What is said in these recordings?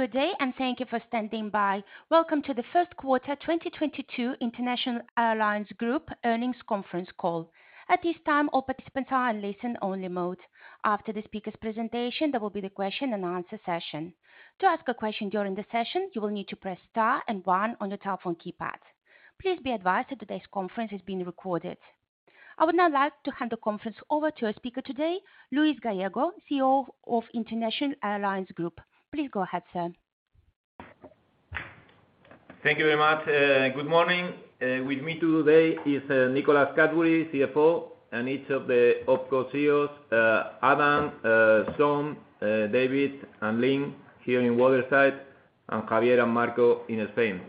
Good day and thank you for standing by. Welcome to the first quarter 2022 International Airlines Group Earnings Conference Call. At this time, all participants are in listen only mode. After the speaker's presentation, there will be the question and answer session. To ask a question during the session, you will need to press star and one on your telephone keypad. Please be advised that today's conference is being recorded. I would now like to hand the conference over to our speaker today, Luis Gallego, CEO of International Airlines Group. Please go ahead, sir. Thank you very much. Good morning. With me today is Nicholas Cadbury, CFO, and each of the opco CEOs, Adam, Sean, David and Lynne here in Waterside, and Javier and Marco in Spain.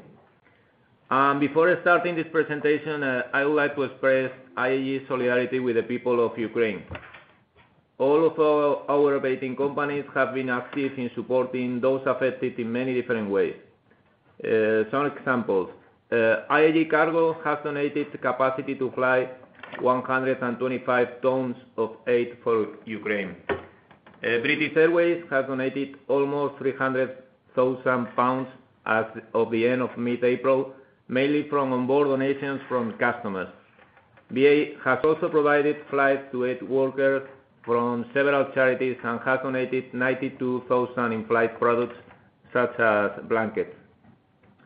Before starting this presentation, I would like to express IAG's solidarity with the people of Ukraine. All of our operating companies have been active in supporting those affected in many different ways. Some examples. IAG Cargo has donated the capacity to fly 125 tons of aid for Ukraine. British Airways has donated almost 300,000 pounds as of the end of mid-April, mainly from onboard donations from customers. BA has also provided flights to aid workers from several charities and has donated 92,000 in-flight products such as blankets.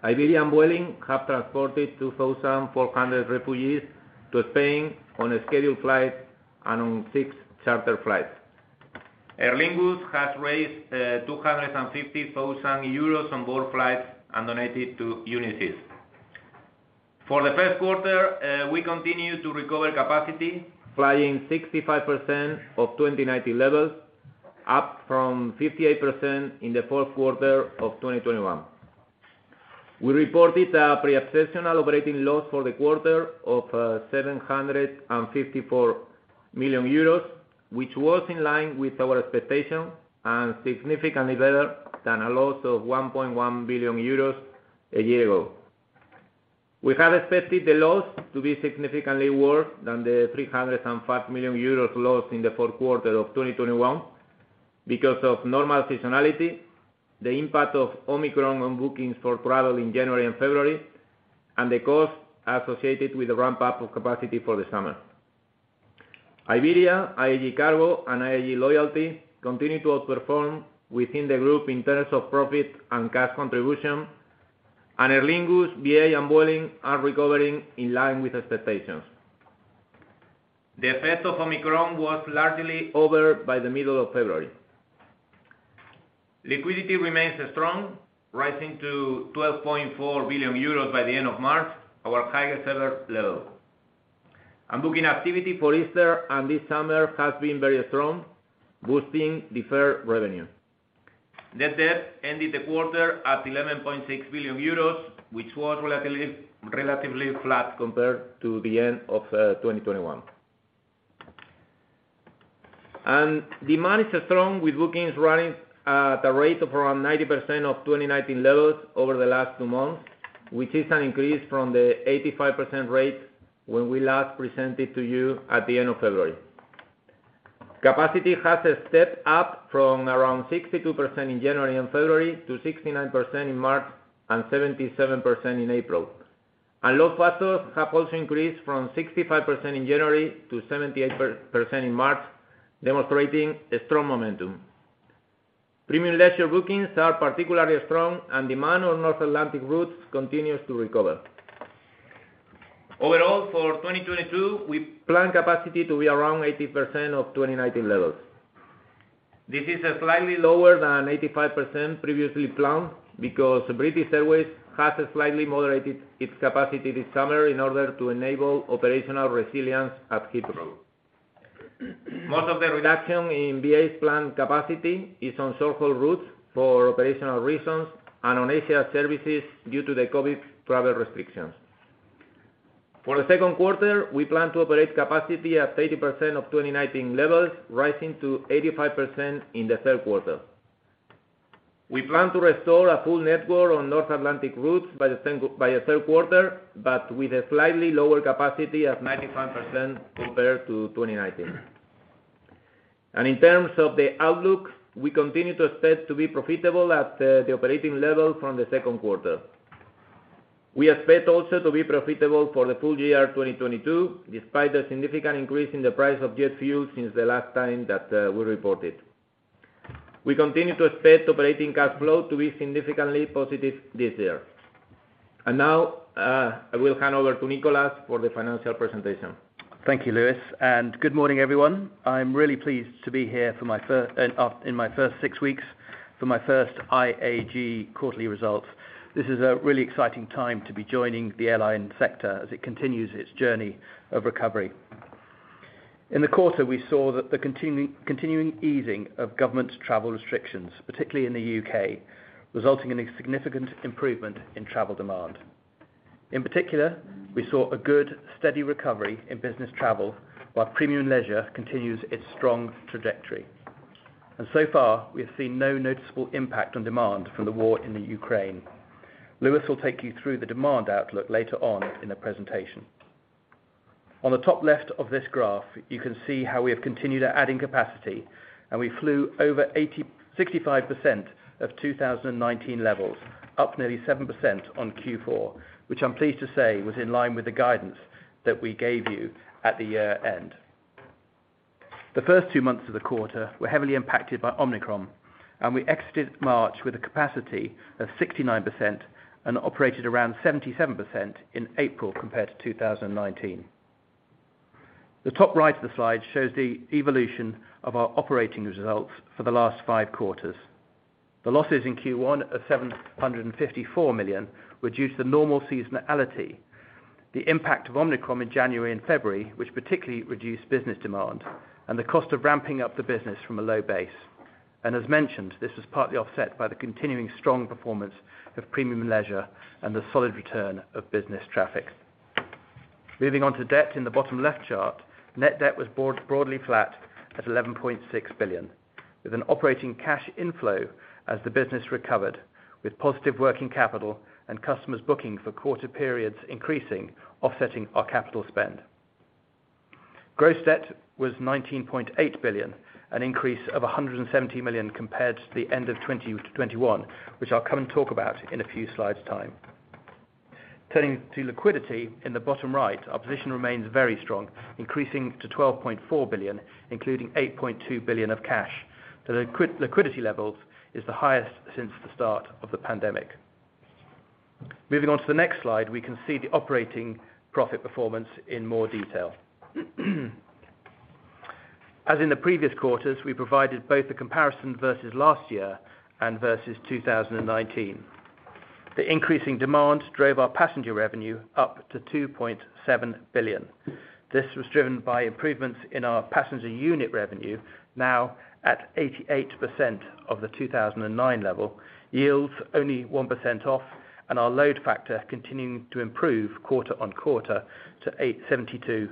Iberia and Vueling have transported 2,400 refugees to Spain on a scheduled flight and on 6 charter flights. Aer Lingus has raised 250 thousand euros on board flights and donated to UNICEF. For the first quarter, we continue to recover capacity, flying 65% of 2019 levels, up from 58% in the fourth quarter of 2021. We reported a pre-exceptional operating loss for the quarter of 754 million euros, which was in line with our expectation and significantly better than a loss of 1.1 billion euros a year ago. We had expected the loss to be significantly worse than the 305 million euros loss in the fourth quarter of 2021 because of normal seasonality, the impact of Omicron on bookings for travel in January and February, and the cost associated with the ramp-up of capacity for the summer. Iberia, IAG Cargo and IAG Loyalty continue to outperform within the group in terms of profit and cash contribution. Aer Lingus, BA and Vueling are recovering in line with expectations. The effect of Omicron was largely over by the middle of February. Liquidity remains strong, rising to 12.4 billion euros by the end of March, our highest ever level. Booking activity for Easter and this summer has been very strong, boosting deferred revenue. Net debt ended the quarter at 11.6 billion euros, which was relatively flat compared to the end of 2021. Demand is strong with bookings running at a rate of around 90% of 2019 levels over the last two months, which is an increase from the 85% rate when we last presented to you at the end of February. Capacity has stepped up from around 62% in January and February to 69% in March and 77% in April. Load factors have also increased from 65% in January to 78% in March, demonstrating strong momentum. Premium leisure bookings are particularly strong and demand on North Atlantic routes continues to recover. Overall, for 2022, we plan capacity to be around 80% of 2019 levels. This is a slightly lower than 85% previously planned because British Airways has slightly moderated its capacity this summer in order to enable operational resilience at Heathrow. Most of the reduction in BA's planned capacity is on short-haul routes for operational reasons and on Asia services due to the COVID travel restrictions. For the second quarter, we plan to operate capacity at 80% of 2019 levels, rising to 85% in the third quarter. We plan to restore a full network on North Atlantic routes by the third quarter, but with a slightly lower capacity of 95% compared to 2019. In terms of the outlook, we continue to expect to be profitable at the operating level from the second quarter. We expect also to be profitable for the full year 2022, despite a significant increase in the price of jet fuel since the last time that we reported. We continue to expect operating cash flow to be significantly positive this year. Now, I will hand over to Nicholas for the financial presentation. Thank you, Luis, and good morning, everyone. I'm really pleased to be here in my first six weeks for my first IAG quarterly results. This is a really exciting time to be joining the airline sector as it continues its journey of recovery. In the quarter, we saw the continuing easing of government travel restrictions, particularly in the U.K, resulting in a significant improvement in travel demand. In particular, we saw a good steady recovery in business travel, while premium leisure continues its strong trajectory. So far, we have seen no noticeable impact on demand from the war in the Ukraine. Luis will take you through the demand outlook later on in the presentation. On the top left of this graph, you can see how we have continued adding capacity, and we flew over 65% of 2019 levels, up nearly 7% on Q4, which I'm pleased to say was in line with the guidance that we gave you at the year-end. The first two months of the quarter were heavily impacted by Omicron, and we exited March with a capacity of 69% and operated around 77% in April compared to 2019. The top right of the slide shows the evolution of our operating results for the last five quarters. The losses in Q1 of $754 million reduced the normal seasonality, the impact of Omicron in January and February, which particularly reduced business demand, and the cost of ramping up the business from a low base. As mentioned, this was partly offset by the continuing strong performance of premium leisure and the solid return of business traffic. Moving on to debt in the bottom left chart, net debt was broadly flat at $11.6 billion, with an operating cash inflow as the business recovered, with positive working capital and customers booking for quarter periods increasing offsetting our capital spend. Gross debt was $19.8 billion, an increase of $170 million compared to the end of 2020 to 2021, which I'll come and talk about in a few slides' time. Turning to liquidity in the bottom right, our position remains very strong, increasing to $12.4 billion, including $8.2 billion of cash. Liquidity levels is the highest since the start of the pandemic. Moving on to the next slide, we can see the operating profit performance in more detail. As in the previous quarters, we provided both the comparison versus last year and versus 2019. The increasing demand drove our passenger revenue up to $2.7 billion. This was driven by improvements in our passenger unit revenue now at 88% of the 2009 level, yields only 1% off, and our load factor continuing to improve quarter on quarter to 72.2%.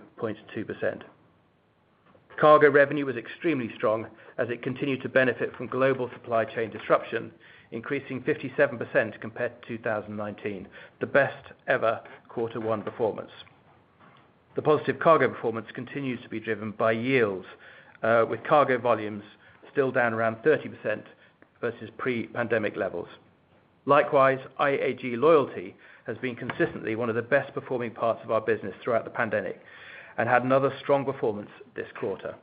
Cargo revenue was extremely strong as it continued to benefit from global supply chain disruption, increasing 57% compared to 2019, the best ever quarter one performance. The positive cargo performance continues to be driven by yields, with cargo volumes still down around 30% versus pre-pandemic levels. Likewise, IAG Loyalty has been consistently one of the best performing parts of our business throughout the pandemic and had another strong performance this quarter.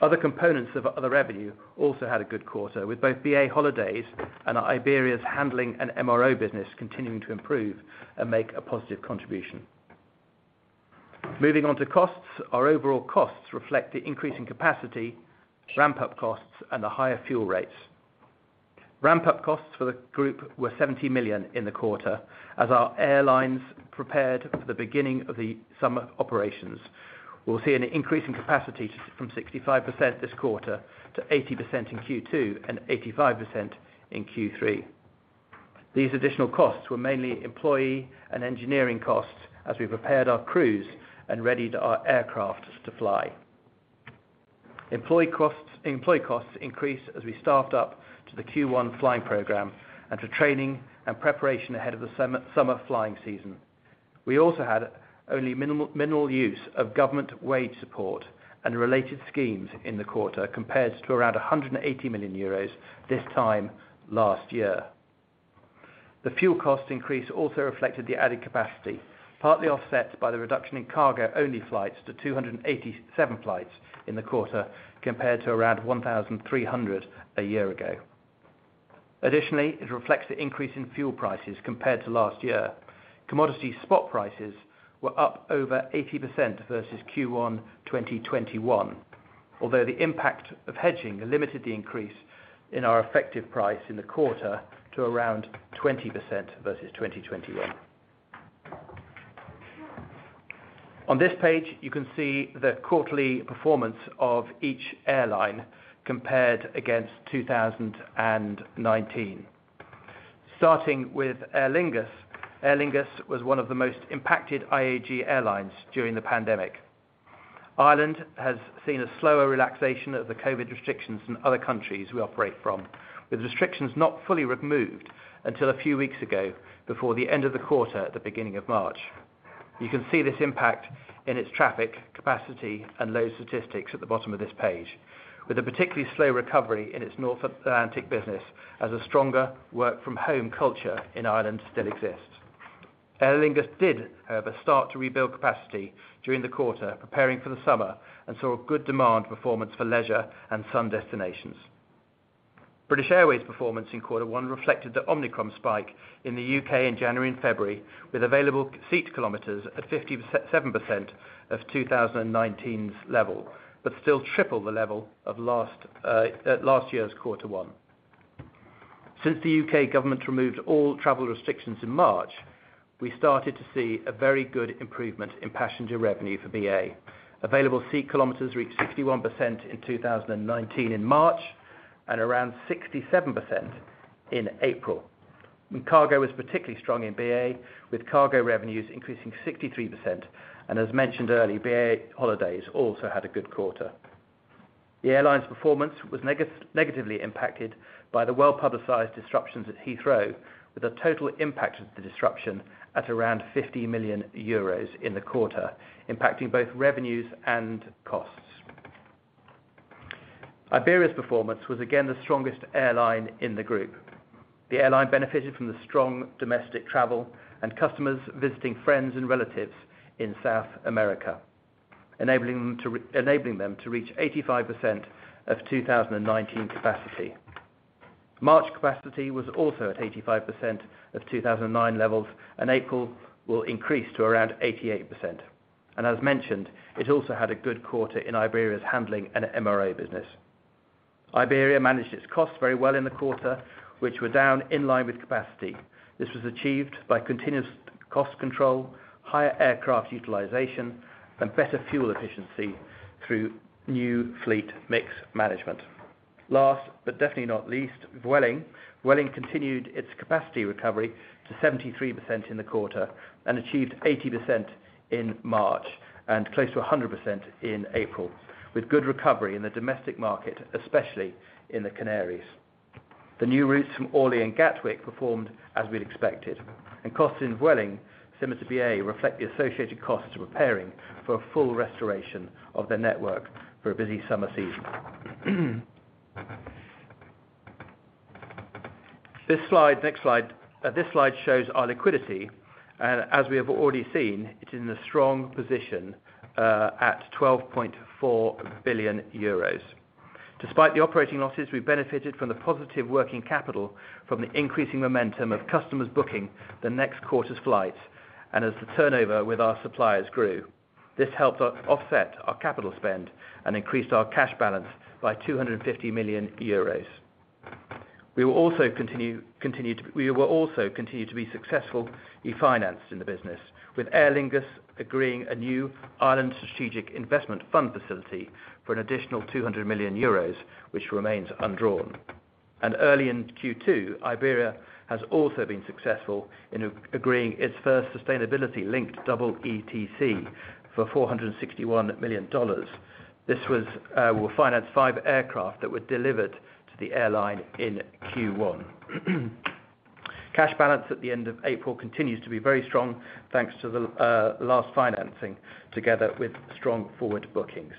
Other components of other revenue also had a good quarter, with both BA Holidays and Iberia's handling and MRO business continuing to improve and make a positive contribution. Moving on to costs, our overall costs reflect the increasing capacity, ramp-up costs, and the higher fuel rates. Ramp-up costs for the group were 70 million in the quarter as our airlines prepared for the beginning of the summer operations. We'll see an increase in capacity from 65% this quarter to 80% in Q2 and 85% in Q3. These additional costs were mainly employee and engineering costs as we prepared our crews and readied our aircraft to fly. Employee costs increased as we staffed up to the Q1 flying program and for training and preparation ahead of the summer flying season. We also had only minimal use of government wage support and related schemes in the quarter, compared to around 180 million euros this time last year. The fuel cost increase also reflected the added capacity, partly offset by the reduction in cargo-only flights to 287 flights in the quarter, compared to around 1,300 a year ago. Additionally, it reflects the increase in fuel prices compared to last year. Commodity spot prices were up over 80% versus Q1 2021, although the impact of hedging limited the increase in our effective price in the quarter to around 20% versus 2021. On this page, you can see the quarterly performance of each airline compared against 2019. Starting with Aer Lingus. Aer Lingus was one of the most impacted IAG airlines during the pandemic. Ireland has seen a slower relaxation of the COVID restrictions than other countries we operate from, with restrictions not fully removed until a few weeks ago, before the end of the quarter at the beginning of March. You can see this impact in its traffic, capacity, and load statistics at the bottom of this page, with a particularly slow recovery in its North Atlantic business as a stronger work-from-home culture in Ireland still exists. Aer Lingus did, however, start to rebuild capacity during the quarter, preparing for the summer, and saw a good demand performance for leisure and sun destinations. British Airways' performance in quarter one reflected the Omicron spike in the U.K. in January and February, with available seat kilometers at 57% of 2019's level, but still triple the level of last year's quarter one. Since the U.K. government removed all travel restrictions in March, we started to see a very good improvement in passenger revenue for BA. Available seat kilometers reached 61% in 2019 in March and around 67% in April. Cargo was particularly strong in BA, with cargo revenues increasing 63%. As mentioned earlier, BA Holidays also had a good quarter. The airline's performance was negatively impacted by the well-publicized disruptions at Heathrow, with a total impact of the disruption at around 50 million euros in the quarter, impacting both revenues and costs. Iberia's performance was again the strongest airline in the group. The airline benefited from the strong domestic travel and customers visiting friends and relatives in South America, enabling them to reach 85% of 2019 capacity. March capacity was also at 85% of 2019 levels, and April will increase to around 88%. As mentioned, it also had a good quarter in Iberia's handling and MRO business. Iberia managed its costs very well in the quarter, which were down in line with capacity. This was achieved by continuous cost control, higher aircraft utilization, and better fuel efficiency through new fleet mix management. Last but definitely not least, Vueling. Vueling continued its capacity recovery to 73% in the quarter and achieved 80% in March, and close to 100% in April, with good recovery in the domestic market, especially in the Canaries. The new routes from Orly and Gatwick performed as we'd expected, and costs in Vueling, similar to BA, reflect the associated costs of preparing for a full restoration of their network for a busy summer season. Next slide, this slide shows our liquidity. As we have already seen, it is in a strong position at 12.4 billion euros. Despite the operating losses, we benefited from the positive working capital from the increasing momentum of customers booking the next quarter's flights, and as the turnover with our suppliers grew. This helped us offset our capital spend and increased our cash balance by 250 million euros. We will also continue to be successful in financing the business, with Aer Lingus agreeing a new Ireland Strategic Investment Fund facility for an additional 200 million euros, which remains undrawn. Early in Q2, Iberia has also been successful in agreeing its first sustainability-linked double EETC for $461 million. This will finance five aircraft that were delivered to the airline in Q1. Cash balance at the end of April continues to be very strong, thanks to the last financing together with strong forward bookings.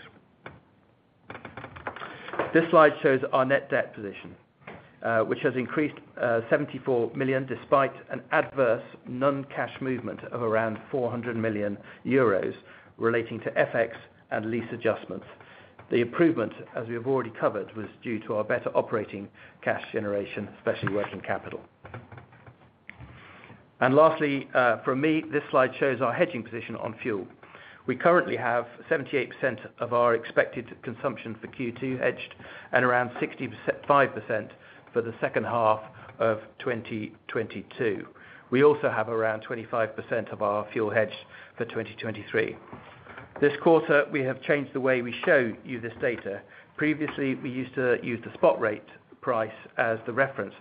This slide shows our net debt position, which has increased 74 million despite an adverse non-cash movement of around 400 million euros relating to FX and lease adjustments. The improvement, as we have already covered, was due to our better operating cash generation, especially working capital. Lastly, from me, this slide shows our hedging position on fuel. We currently have 78% of our expected consumption for Q2 hedged, and around 65% for the second half of 2022. We also have around 25% of our fuel hedged for 2023. This quarter, we have changed the way we show you this data. Previously, we used to use the spot rate price as the reference.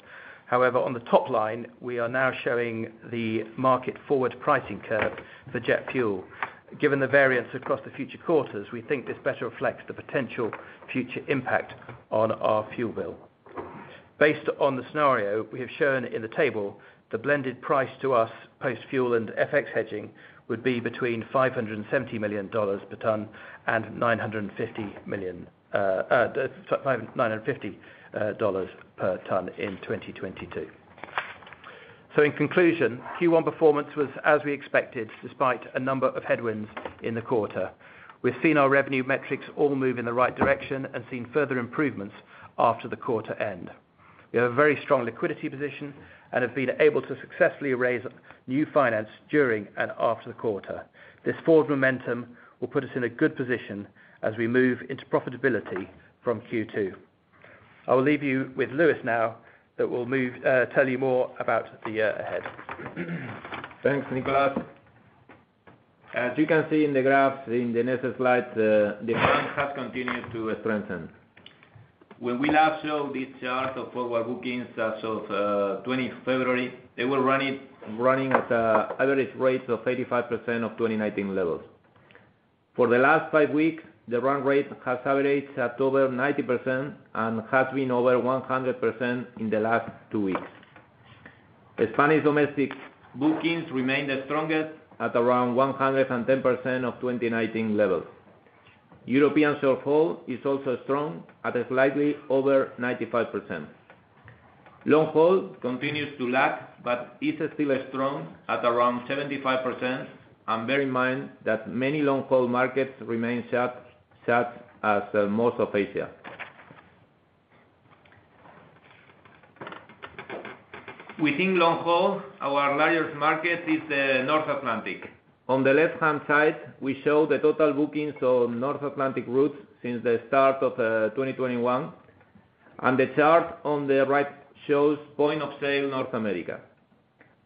However, on the top line, we are now showing the market forward pricing curve for jet fuel. Given the variance across the future quarters, we think this better reflects the potential future impact on our fuel bill. Based on the scenario we have shown in the table, the blended price to us post fuel and FX hedging would be between $570 and $950 per ton in 2022. In conclusion, Q1 performance was as we expected, despite a number of headwinds in the quarter. We've seen our revenue metrics all move in the right direction and seen further improvements after the quarter end. We have a very strong liquidity position and have been able to successfully raise new finance during and after the quarter. This forward momentum will put us in a good position as we move into profitability from Q2. I will leave you with Luis now, that will tell you more about the year ahead. Thanks, Nicholas. As you can see in the graphs in the next slide, demand has continued to strengthen. When we last showed these charts of forward bookings as of 20 February, they were running at an average rate of 85% of 2019 levels. For the last five weeks, the run rate has averaged at over 90% and has been over 100% in the last two weeks. As Spanish domestic bookings remain the strongest at around 110% of 2019 levels. European short-haul is also strong at slightly over 95%. Long-haul continues to lag, but is still strong at around 75%, and bear in mind that many long-haul markets remain shut as most of Asia. Within long-haul, our largest market is the North Atlantic. On the left-hand side, we show the total bookings on North Atlantic routes since the start of 2021, and the chart on the right shows point of sale North America.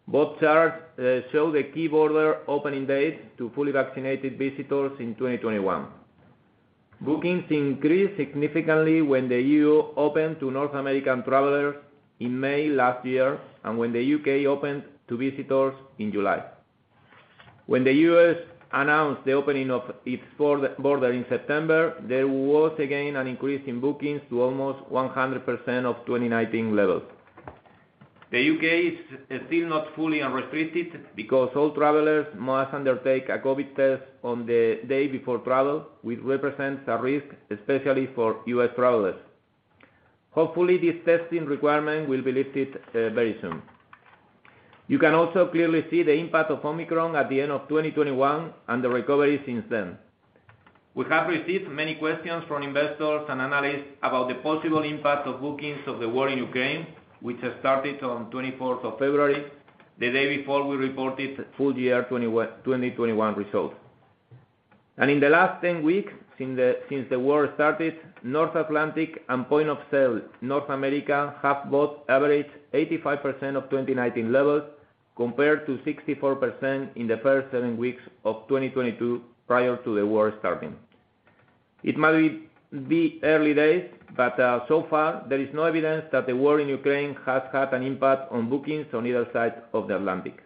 Both charts show the key border opening dates to fully vaccinated visitors in 2021. Bookings increased significantly when the EU opened to North American travelers in May last year, and when the U.K opened to visitors in July. When the U.S announced the opening of its border in September, there was again an increase in bookings to almost 100% of 2019 levels. The U.K is still not fully unrestricted because all travelers must undertake a COVID test on the day before travel, which represents a risk, especially for U.S travelers. Hopefully, this testing requirement will be lifted very soon. You can also clearly see the impact of Omicron at the end of 2021 and the recovery since then. We have received many questions from investors and analysts about the possible impact on bookings of the war in Ukraine, which started on February 24, the day before we reported full year 2021 results. In the last 10 weeks since the war started, North Atlantic and point-of-sale North America have both averaged 85% of 2019 levels compared to 64% in the first seven weeks of 2022 prior to the war starting. It might be early days, but so far there is no evidence that the war in Ukraine has had an impact on bookings on either side of the Atlantic.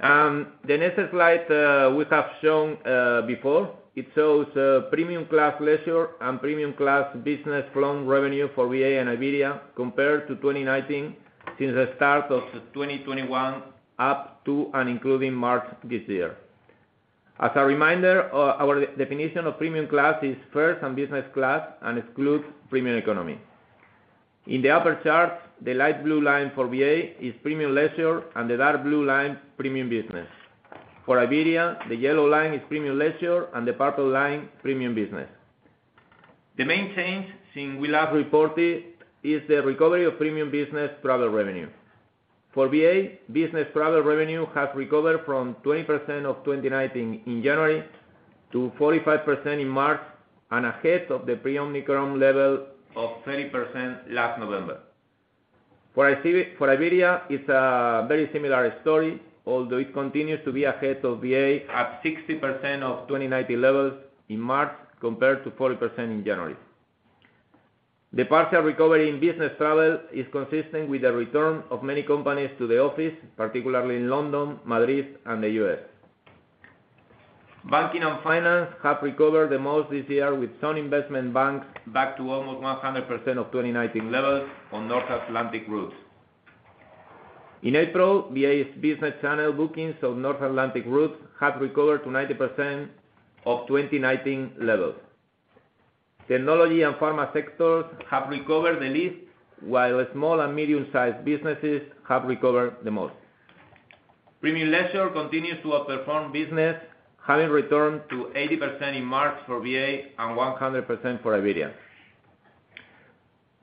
The next slide we have shown before. It shows premium class leisure and premium class business long revenue for BA and Iberia compared to 2019 since the start of 2021 up to and including March this year. As a reminder, our definition of premium class is first and business class and excludes premium economy. In the upper chart, the light blue line for BA is premium leisure and the dark blue line premium business. For Iberia, the yellow line is premium leisure and the purple line premium business. The main change since we last reported is the recovery of premium business travel revenue. For BA, business travel revenue has recovered from 20% of 2019 in January to 45% in March and ahead of the pre-Omicron level of 30% last November. For Iberia, it's a very similar story, although it continues to be ahead of BA at 60% of 2019 levels in March compared to 40% in January. The partial recovery in business travel is consistent with the return of many companies to the office, particularly in London, Madrid, and the U.S. Banking and finance have recovered the most this year, with some investment banks back to almost 100% of 2019 levels on North Atlantic routes. In April, BA's business channel bookings on North Atlantic routes have recovered to 90% of 2019 levels. Technology and pharma sectors have recovered the least, while small and medium-sized businesses have recovered the most. Premium leisure continues to outperform business, having returned to 80% in March for BA and 100% for Iberia.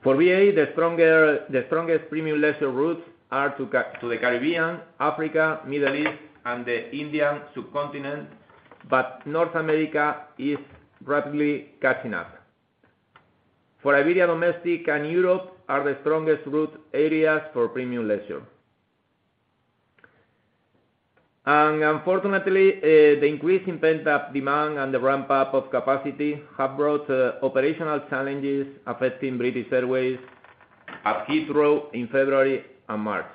For BA, the strongest premium leisure routes are to the Caribbean, Africa, Middle East, and the Indian subcontinent, but North America is rapidly catching up. For Iberia, domestic and Europe are the strongest route areas for premium leisure. Unfortunately, the increase in pent-up demand and the ramp-up of capacity have brought operational challenges affecting British Airways at Heathrow in February and March.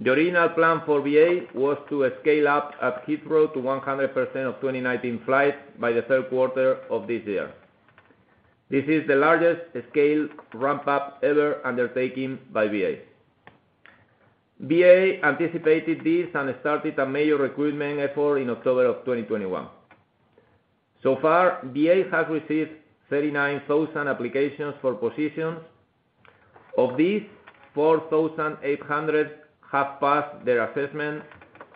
The original plan for BA was to scale up at Heathrow to 100% of 2019 flights by the third quarter of this year. This is the largest scale ramp-up ever undertaken by BA. BA anticipated this and started a major recruitment effort in October of 2021. So far, BA has received 39,000 applications for positions. Of these, 4,800 have passed their assessment.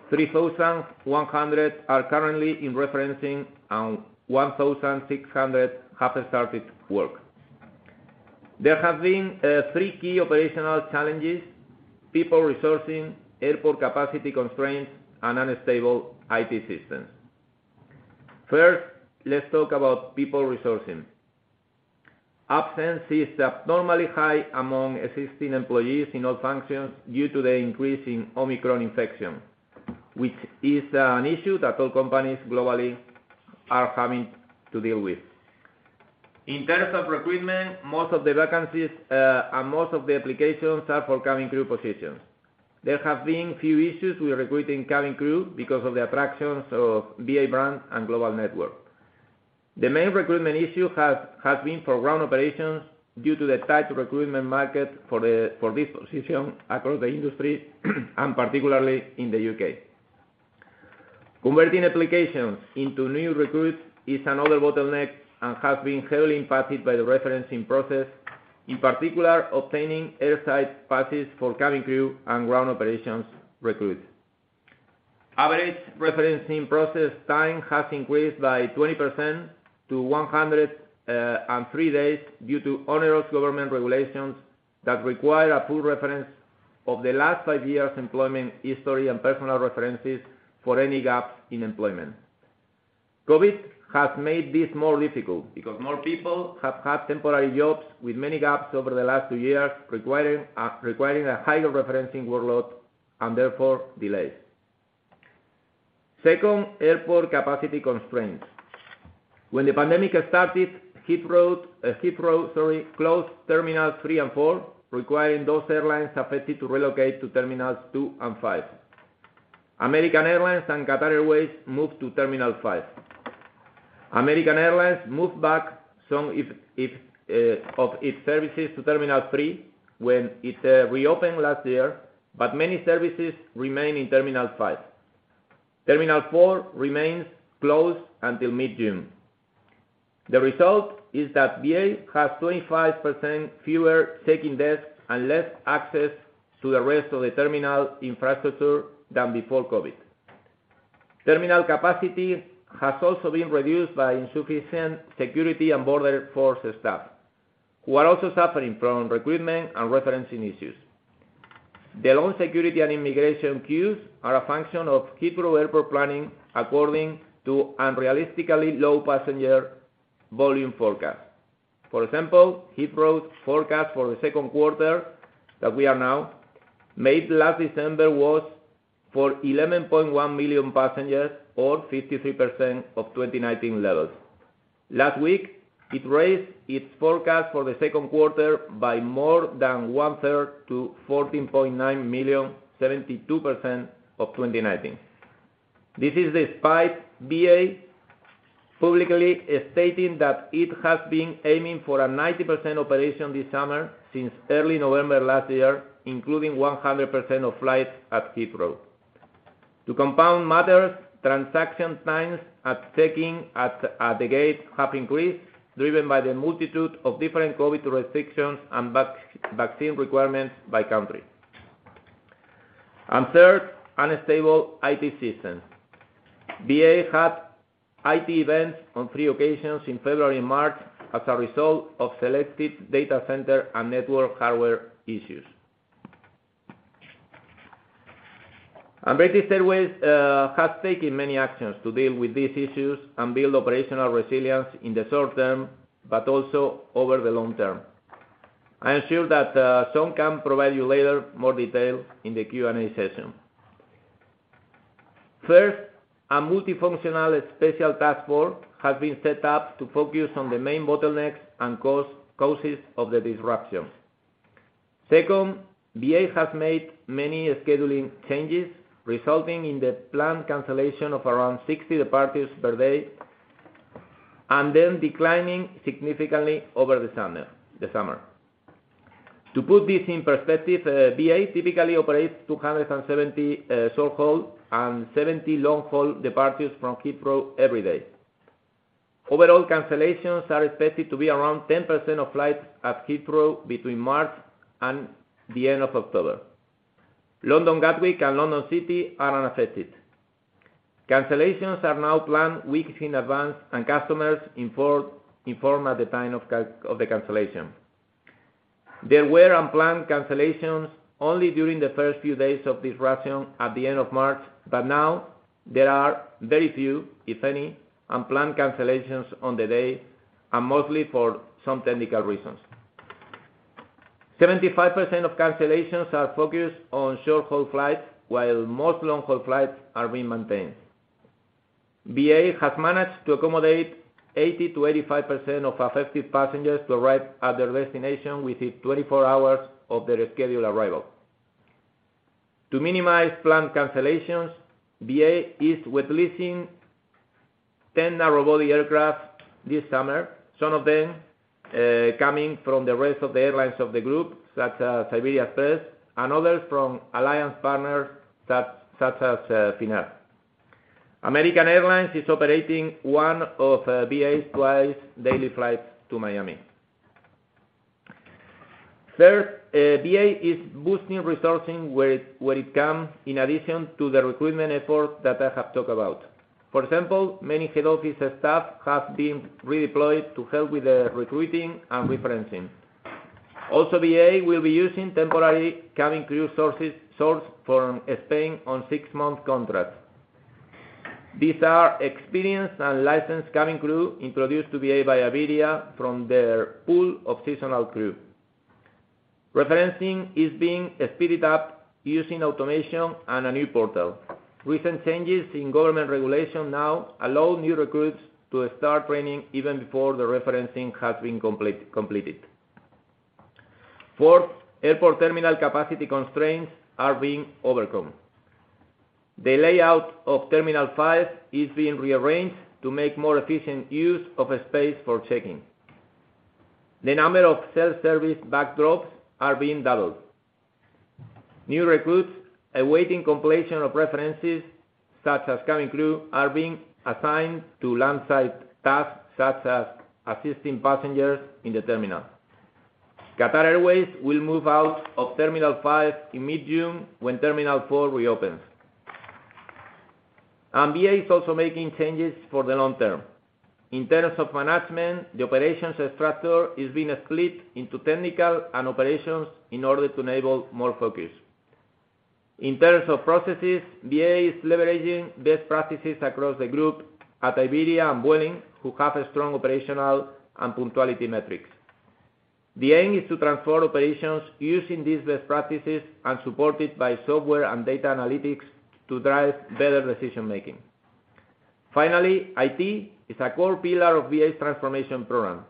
3,100 are currently in referencing, and 1,600 have started work. There have been three key operational challenges, people resourcing, airport capacity constraints, and unstable IT systems. First, let's talk about people resourcing. Absence is abnormally high among existing employees in all functions due to the increase in Omicron infection, which is an issue that all companies globally are having to deal with. In terms of recruitment, most of the vacancies and most of the applications are for cabin crew positions. There have been few issues with recruiting cabin crew because of the attractions of BA brand and global network. The main recruitment issue has been for ground operations due to the tight recruitment market for this position across the industry, and particularly in the UK. Converting applications into new recruits is another bottleneck and has been heavily impacted by the referencing process, in particular, obtaining airside passes for cabin crew and ground operations recruits. Average referencing process time has increased by 20% to 103 days due to onerous government regulations that require a full reference of the last five years' employment history and personal references for any gaps in employment. COVID has made this more difficult because more people have had temporary jobs with many gaps over the last two years requiring a higher referencing workload and therefore delays. Second, airport capacity constraints. When the pandemic started, Heathrow closed terminals three and four, requiring those airlines affected to relocate to terminals two and five. American Airlines and Qatar Airways moved to terminal five. American Airlines moved back some of its services to Terminal three when it reopened last year, but many services remain in Terminal five. Terminal four remains closed until mid-June. The result is that BA has 25% fewer check-in desks and less access to the rest of the terminal infrastructure than before COVID. Terminal capacity has also been reduced by insufficient security and Border Force staff, who are also suffering from recruitment and retention issues. The long security and immigration queues are a function of Heathrow Airport planning according to unrealistically low passenger volume forecast. For example, Heathrow's forecast for the second quarter, that we are now, made last December was for 11.1 million passengers or 53% of 2019 levels. Last week, it raised its forecast for the second quarter by more than one-third to 14.9 million, 72% of 2019. This is despite BA publicly stating that it has been aiming for a 90% operation this summer since early November last year, including 100% of flights at Heathrow. To compound matters, transaction times at check-in at the gate have increased, driven by the multitude of different COVID restrictions and vaccine requirements by country. Third, unstable IT systems. BA had IT events on three occasions in February and March as a result of selected data center and network hardware issues. British Airways has taken many actions to deal with these issues and build operational resilience in the short term, but also over the long term. I am sure that some can provide you later more detail in the Q&A session. First, a multifunctional special task force has been set up to focus on the main bottlenecks and causes of the disruption. Second, BA has made many scheduling changes, resulting in the planned cancellation of around 60 departures per day and then declining significantly over the summer. To put this in perspective, BA typically operates 270 short-haul and 70 long-haul departures from Heathrow every day. Overall cancellations are expected to be around 10% of flights at Heathrow between March and the end of October. London Gatwick and London City are unaffected. Cancellations are now planned weeks in advance, and customers informed at the time of the cancellation. There were unplanned cancellations only during the first few days of disruption at the end of March, but now there are very few, if any, unplanned cancellations on the day, and mostly for some technical reasons. 75% of cancellations are focused on short-haul flights, while most long-haul flights are being maintained. BA has managed to accommodate 80%-85% of affected passengers to arrive at their destination within 24 hours of their scheduled arrival. To minimize planned cancellations, BA is wet leasing 10 narrow-body aircraft this summer. Some of them coming from the rest of the airlines of the group, such as Iberia Express, and others from alliance partners such as Finnair. American Airlines is operating one of BA's twice daily flights to Miami. Third, BA is boosting resourcing where it can, in addition to the recruitment effort that I have talked about. For example, many head office staff have been redeployed to help with the recruiting and referencing. Also, BA will be using temporary cabin crew sourced from Spain on 6-month contracts. These are experienced and licensed cabin crew introduced to BA by Iberia from their pool of seasonal crew. Referencing is being sped up using automation and a new portal. Recent changes in government regulation now allow new recruits to start training even before the referencing has been completed. Fourth, airport terminal capacity constraints are being overcome. The layout of Terminal five is being rearranged to make more efficient use of space for check-in. The number of self-service bag drops are being doubled. New recruits awaiting completion of references, such as cabin crew, are being assigned to land-side tasks, such as assisting passengers in the terminal. Qatar Airways will move out of Terminal five in mid-June when Terminal four reopens. BA is also making changes for the long term. In terms of management, the operations structure is being split into technical and operations in order to enable more focus. In terms of processes, BA is leveraging best practices across the group at Iberia and Vueling, who have strong operational and punctuality metrics. The aim is to transform operations using these best practices and supported by software and data analytics to drive better decision making. Finally, IT is a core pillar of BA's transformation program.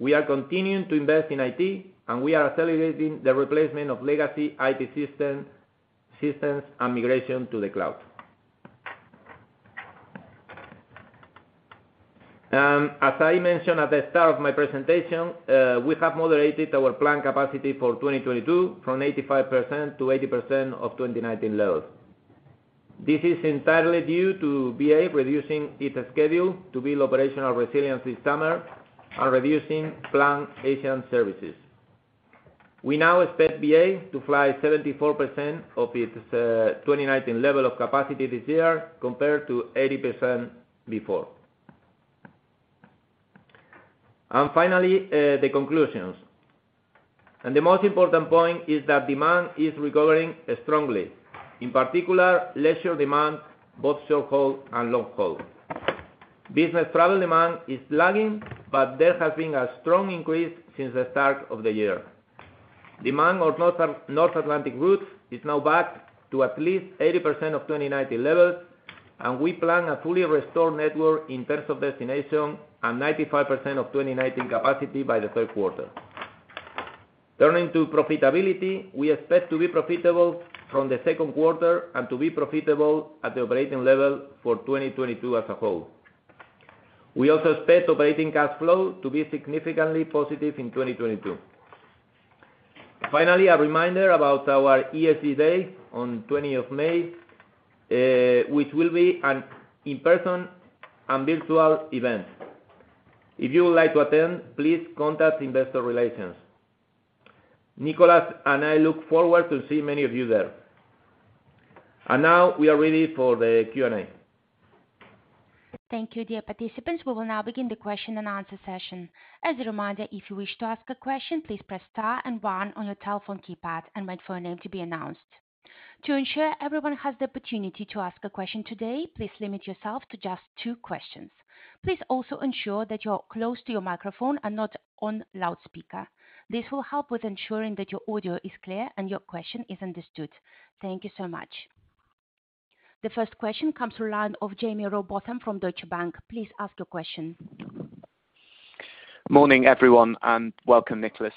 We are continuing to invest in IT, and we are accelerating the replacement of legacy IT systems and migration to the cloud. As I mentioned at the start of my presentation, we have moderated our planned capacity for 2022 from 85%-80% of 2019 levels. This is entirely due to BA reducing its schedule to build operational resilience this summer and reducing planned Asian services. We now expect BA to fly 74% of its 2019 level of capacity this year compared to 80% before. Finally, the conclusions. The most important point is that demand is recovering strongly, in particular, leisure demand, both short-haul and long-haul. Business travel demand is lagging, but there has been a strong increase since the start of the year. Demand on North Atlantic routes is now back to at least 80% of 2019 levels, and we plan a fully restored network in terms of destination and 95% of 2019 capacity by the third quarter. Turning to profitability, we expect to be profitable from the second quarter and to be profitable at the operating level for 2022 as a whole. We also expect operating cash flow to be significantly positive in 2022. Finally, a reminder about our ESG day on May 20, which will be an in-person and virtual event. If you would like to attend, please contact investor relations. Nicholas and I look forward to seeing many of you there. Now we are ready for the Q&A. Thank you, dear participants. We will now begin the question and answer session. As a reminder, if you wish to ask a question, please press star and one on your telephone keypad and wait for your name to be announced. To ensure everyone has the opportunity to ask a question today, please limit yourself to just two questions. Please also ensure that you're close to your microphone and not on loudspeaker. This will help with ensuring that your audio is clear and your question is understood. Thank you so much. The first question comes from the line of Jaime Rowbotham from Deutsche Bank. Please ask your question. Morning, everyone, and welcome Nicholas.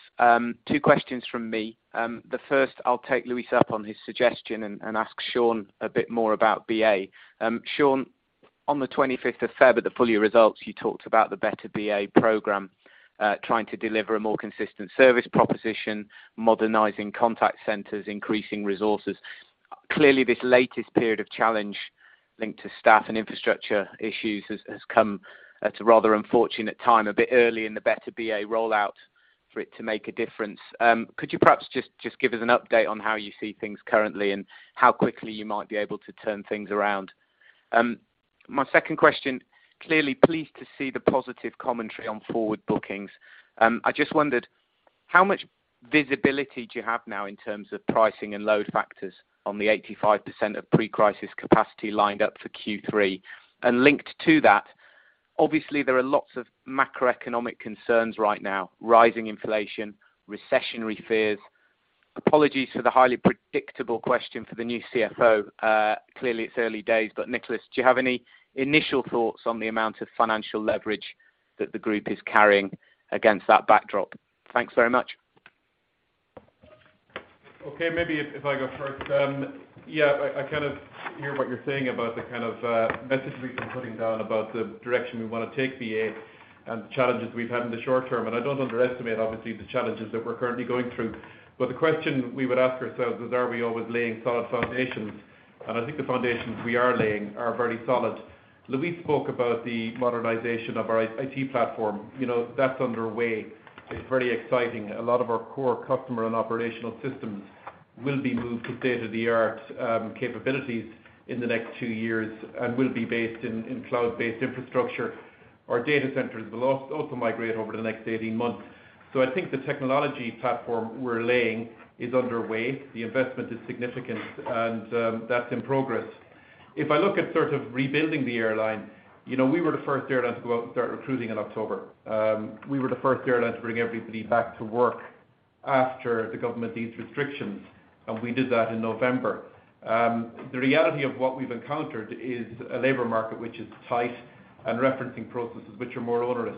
Two questions from me. The first I'll take Luis up on his suggestion and ask Sean a bit more about BA. Sean, on the 25th of February at the full year results, you talked about the Better BA program, trying to deliver a more consistent service proposition, modernizing contact centers, increasing resources. Clearly, this latest period of challenge linked to staff and infrastructure issues has come at a rather unfortunate time, a bit early in the Better BA rollout for it to make a difference. Could you perhaps just give us an update on how you see things currently and how quickly you might be able to turn things around? My second question, clearly pleased to see the positive commentary on forward bookings. I just wondered how much visibility do you have now in terms of pricing and load factors on the 85% of pre-crisis capacity lined up for Q3? Linked to that, obviously there are lots of macroeconomic concerns right now, rising inflation, recessionary fears. Apologies for the highly predictable question for the new CFO. Clearly it's early days, but Nicholas, do you have any initial thoughts on the amount of financial leverage that the group is carrying against that backdrop? Thanks very much. Okay, if I go first. Yeah, I kind of hear what you're saying about the kind of message we've been putting down about the direction we wanna take BA and the challenges we've had in the short term. I don't underestimate obviously the challenges that we're currently going through. The question we would ask ourselves is, are we always laying solid foundations? I think the foundations we are laying are very solid. Luis spoke about the modernization of our IT platform. You know, that's underway. It's very exciting. A lot of our core customer and operational systems will be moved to state-of-the-art capabilities in the next two years and will be based in cloud-based infrastructure. Our data centers will also migrate over the next 18 months. I think the technology platform we're laying is underway. The investment is significant, and that's in progress. If I look at sort of rebuilding the airline, you know, we were the first airline to go out and start recruiting in October. We were the first airline to bring everybody back to work after the government eased restrictions, and we did that in November. The reality of what we've encountered is a labor market which is tight and referencing processes which are more onerous.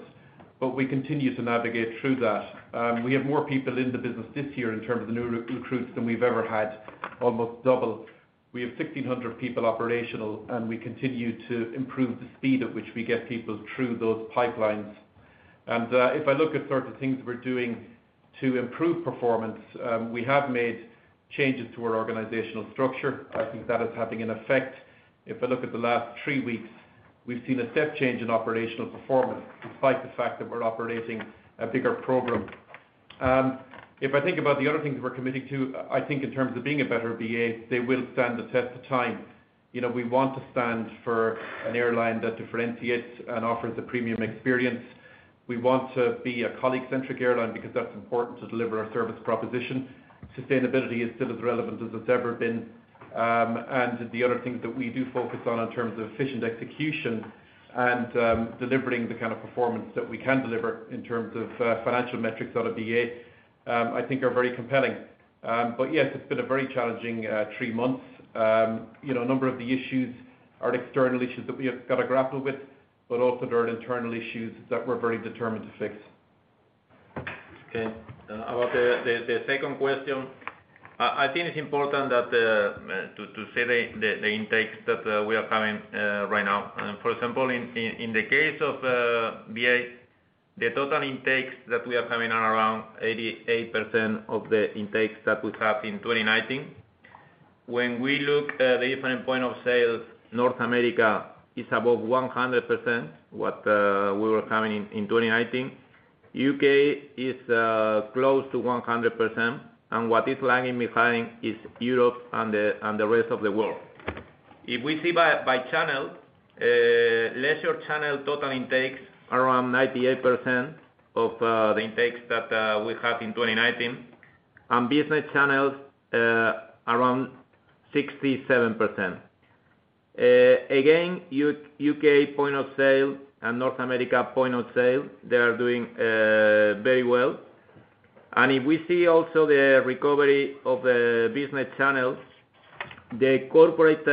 We continue to navigate through that. We have more people in the business this year in terms of new recruits than we've ever had, almost double. We have 1,600 people operational, and we continue to improve the speed at which we get people through those pipelines. If I look at sort of things we're doing to improve performance, we have made changes to our organizational structure. I think that is having an effect. If I look at the last three weeks, we've seen a step change in operational performance despite the fact that we're operating a bigger program. If I think about the other things we're committing to, I think in terms of being A Better BA, they will stand the test of time. You know, we want to stand for an airline that differentiates and offers a premium experience. We want to be a colleague-centric airline because that's important to deliver our service proposition. Sustainability is still as relevant as it's ever been. The other things that we do focus on in terms of efficient execution and, delivering the kind of performance that we can deliver in terms of, financial metrics out of BA, I think are very compelling. Yes, it's been a very challenging three months. You know, a number of the issues are external issues that we have got to grapple with, but also there are internal issues that we're very determined to fix. Okay. About the second question, I think it's important to say the intakes that we are having right now. For example, in the case of BA, the total intakes that we are having are around 88% of the intakes that we had in 2019. When we look at the different points of sale, North America is above 100% of what we were having in 2019. U.K is close to 100%, and what is lagging behind is Europe and the rest of the world. If we see by channel, leisure channel, total intakes around 98% of the intakes that we had in 2019, and business channels around 67%. Again, U.K point of sale and North America point of sale, they are doing very well. If we see also the recovery of business channels, the corporate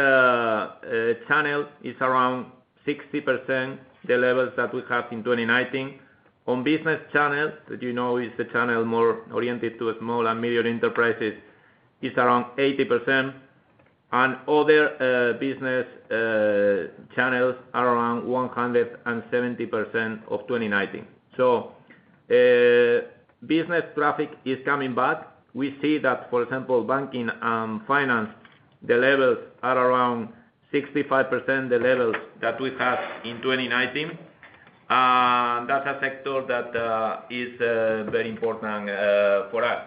channel is around 60% the levels that we had in 2019. On business channels, that you know is a channel more oriented to small and medium enterprises, is around 80%. Other business channels are around 170% of 2019. Business traffic is coming back. We see that, for example, banking and finance, the levels are around 65% the levels that we had in 2019. That's a sector that is very important for us.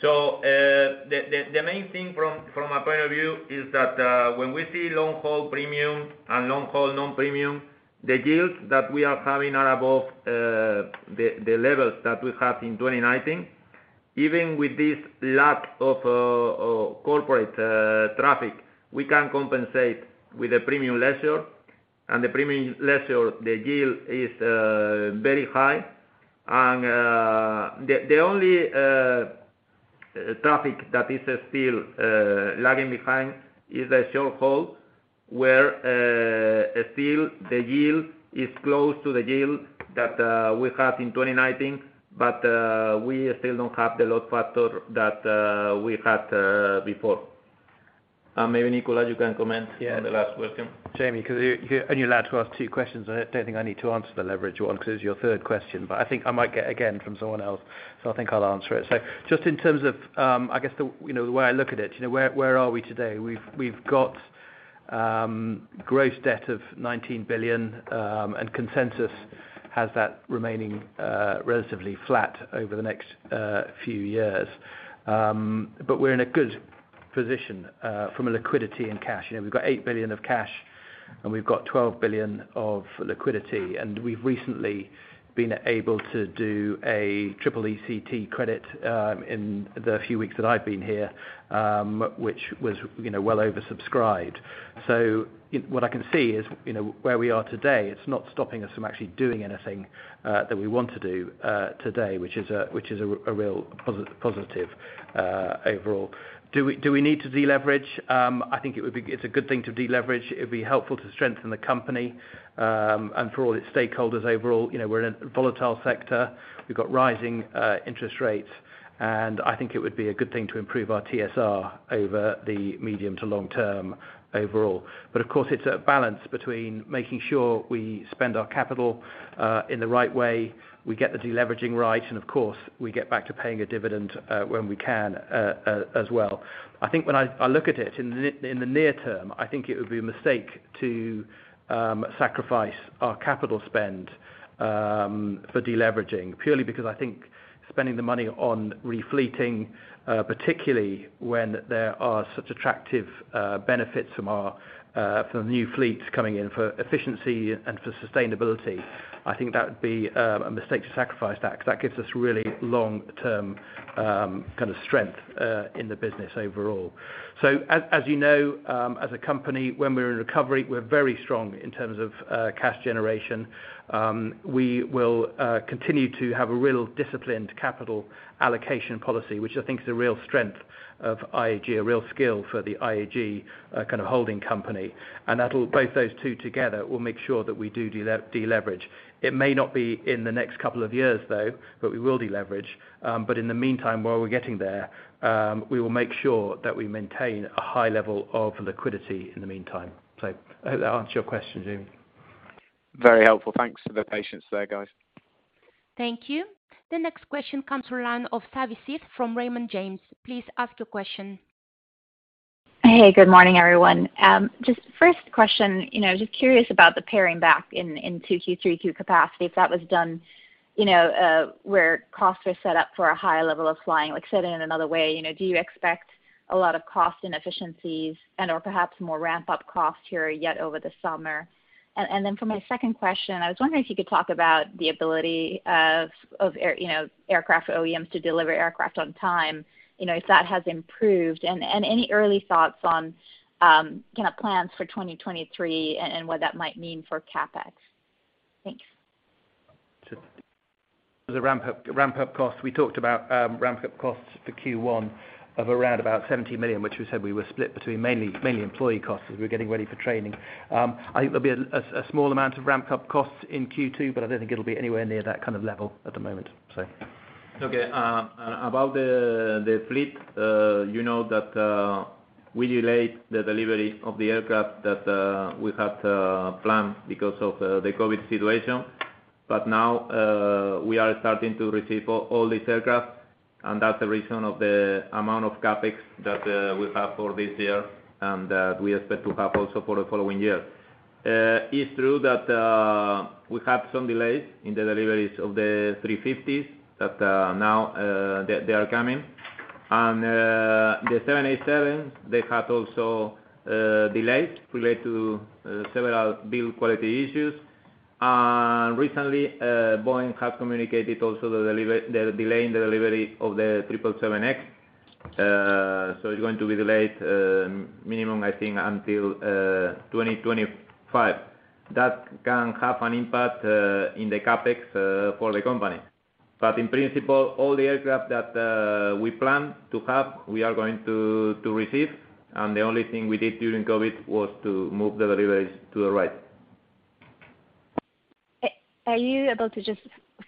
The main thing from my point of view is that when we see long-haul premium and long-haul non-premium, the yields that we are having are above the levels that we had in 2019. Even with this lack of corporate traffic, we can compensate with the premium leisure. The premium leisure, the yield is very high. The only traffic that is still lagging behind is the short-haul, where still the yield is close to the yield that we had in 2019, but we still don't have the load factor that we had before. Maybe Nicholas, you can comment on the last question. Jaime, 'cause you're only allowed to ask two questions. I don't think I need to answer the leverage one because it's your third question. I think I might get it again from someone else, so I think I'll answer it. Just in terms of, I guess the way I look at it, you know, where are we today? We've got gross debt of 19 billion, and consensus has that remaining relatively flat over the next few years. We're in a good position from a liquidity and cash. You know, we've got 8 billion of cash, and we've got 12 billion of liquidity. We've recently been able to do a triple EETC in the few weeks that I've been here, which was, you know, well oversubscribed. What I can see is, you know, where we are today, it's not stopping us from actually doing anything that we want to do today, which is a real positive overall. Do we need to deleverage? I think it's a good thing to deleverage. It'd be helpful to strengthen the company and for all its stakeholders overall. You know, we're in a volatile sector. We've got rising interest rates, and I think it would be a good thing to improve our TSR over the medium to long term overall. Of course, it's a balance between making sure we spend our capital in the right way, we get the deleveraging right, and of course, we get back to paying a dividend when we can as well. I think when I look at it in the near term, I think it would be a mistake to sacrifice our capital spend for deleveraging, purely because I think spending the money on refleeting, particularly when there are such attractive benefits from our new fleets coming in for efficiency and for sustainability, I think that would be a mistake to sacrifice that, because that gives us really long-term kind of strength in the business overall. As you know, as a company, when we're in recovery, we're very strong in terms of cash generation. We will continue to have a real disciplined capital allocation policy, which I think is a real strength of IAG, a real skill for the IAG kind of holding company. That'll, both those two together will make sure that we do deleverage. It may not be in the next couple of years, though, but we will deleverage. In the meantime, while we're getting there, we will make sure that we maintain a high level of liquidity in the meantime. I hope that answers your question, Jamie. Very helpful. Thanks for the patience there, guys. Thank you. The next question comes from the line of Savanthi Syth from Raymond James. Please ask your question. Hey, good morning, everyone. Just first question, you know, just curious about the paring back in 2Q, 3Q capacity. If that was done, you know, where costs were set up for a higher level of flying. Like, say it in another way, you know, do you expect a lot of cost inefficiencies and/or perhaps more ramp-up costs here yet over the summer? For my second question, I was wondering if you could talk about the ability of aircraft OEMs to deliver aircraft on time, you know, if that has improved, and any early thoughts on kind of plans for 2023 and what that might mean for CapEx. Thanks. The ramp up cost. We talked about ramp up costs for Q1 of around about $70 million, which we said were split between mainly employee costs as we were getting ready for training. I think there'll be a small amount of ramp up costs in Q2, but I don't think it'll be anywhere near that kind of level at the moment. About the fleet, you know that we delayed the delivery of the aircraft that we had planned because of the COVID situation. Now, we are starting to receive all these aircraft, and that's the reason of the amount of CapEx that we have for this year and that we expect to have also for the following year. It's true that we have some delays in the deliveries of the 350s that now they are coming. The 787, they have also delays related to several build quality issues. Recently, Boeing have communicated also they're delaying the delivery of the 777X. It's going to be delayed minimum, I think, until 2025. That can have an impact in the CapEx for the company. In principle, all the aircraft that we plan to have, we are going to receive, and the only thing we did during COVID was to move the deliveries to the right.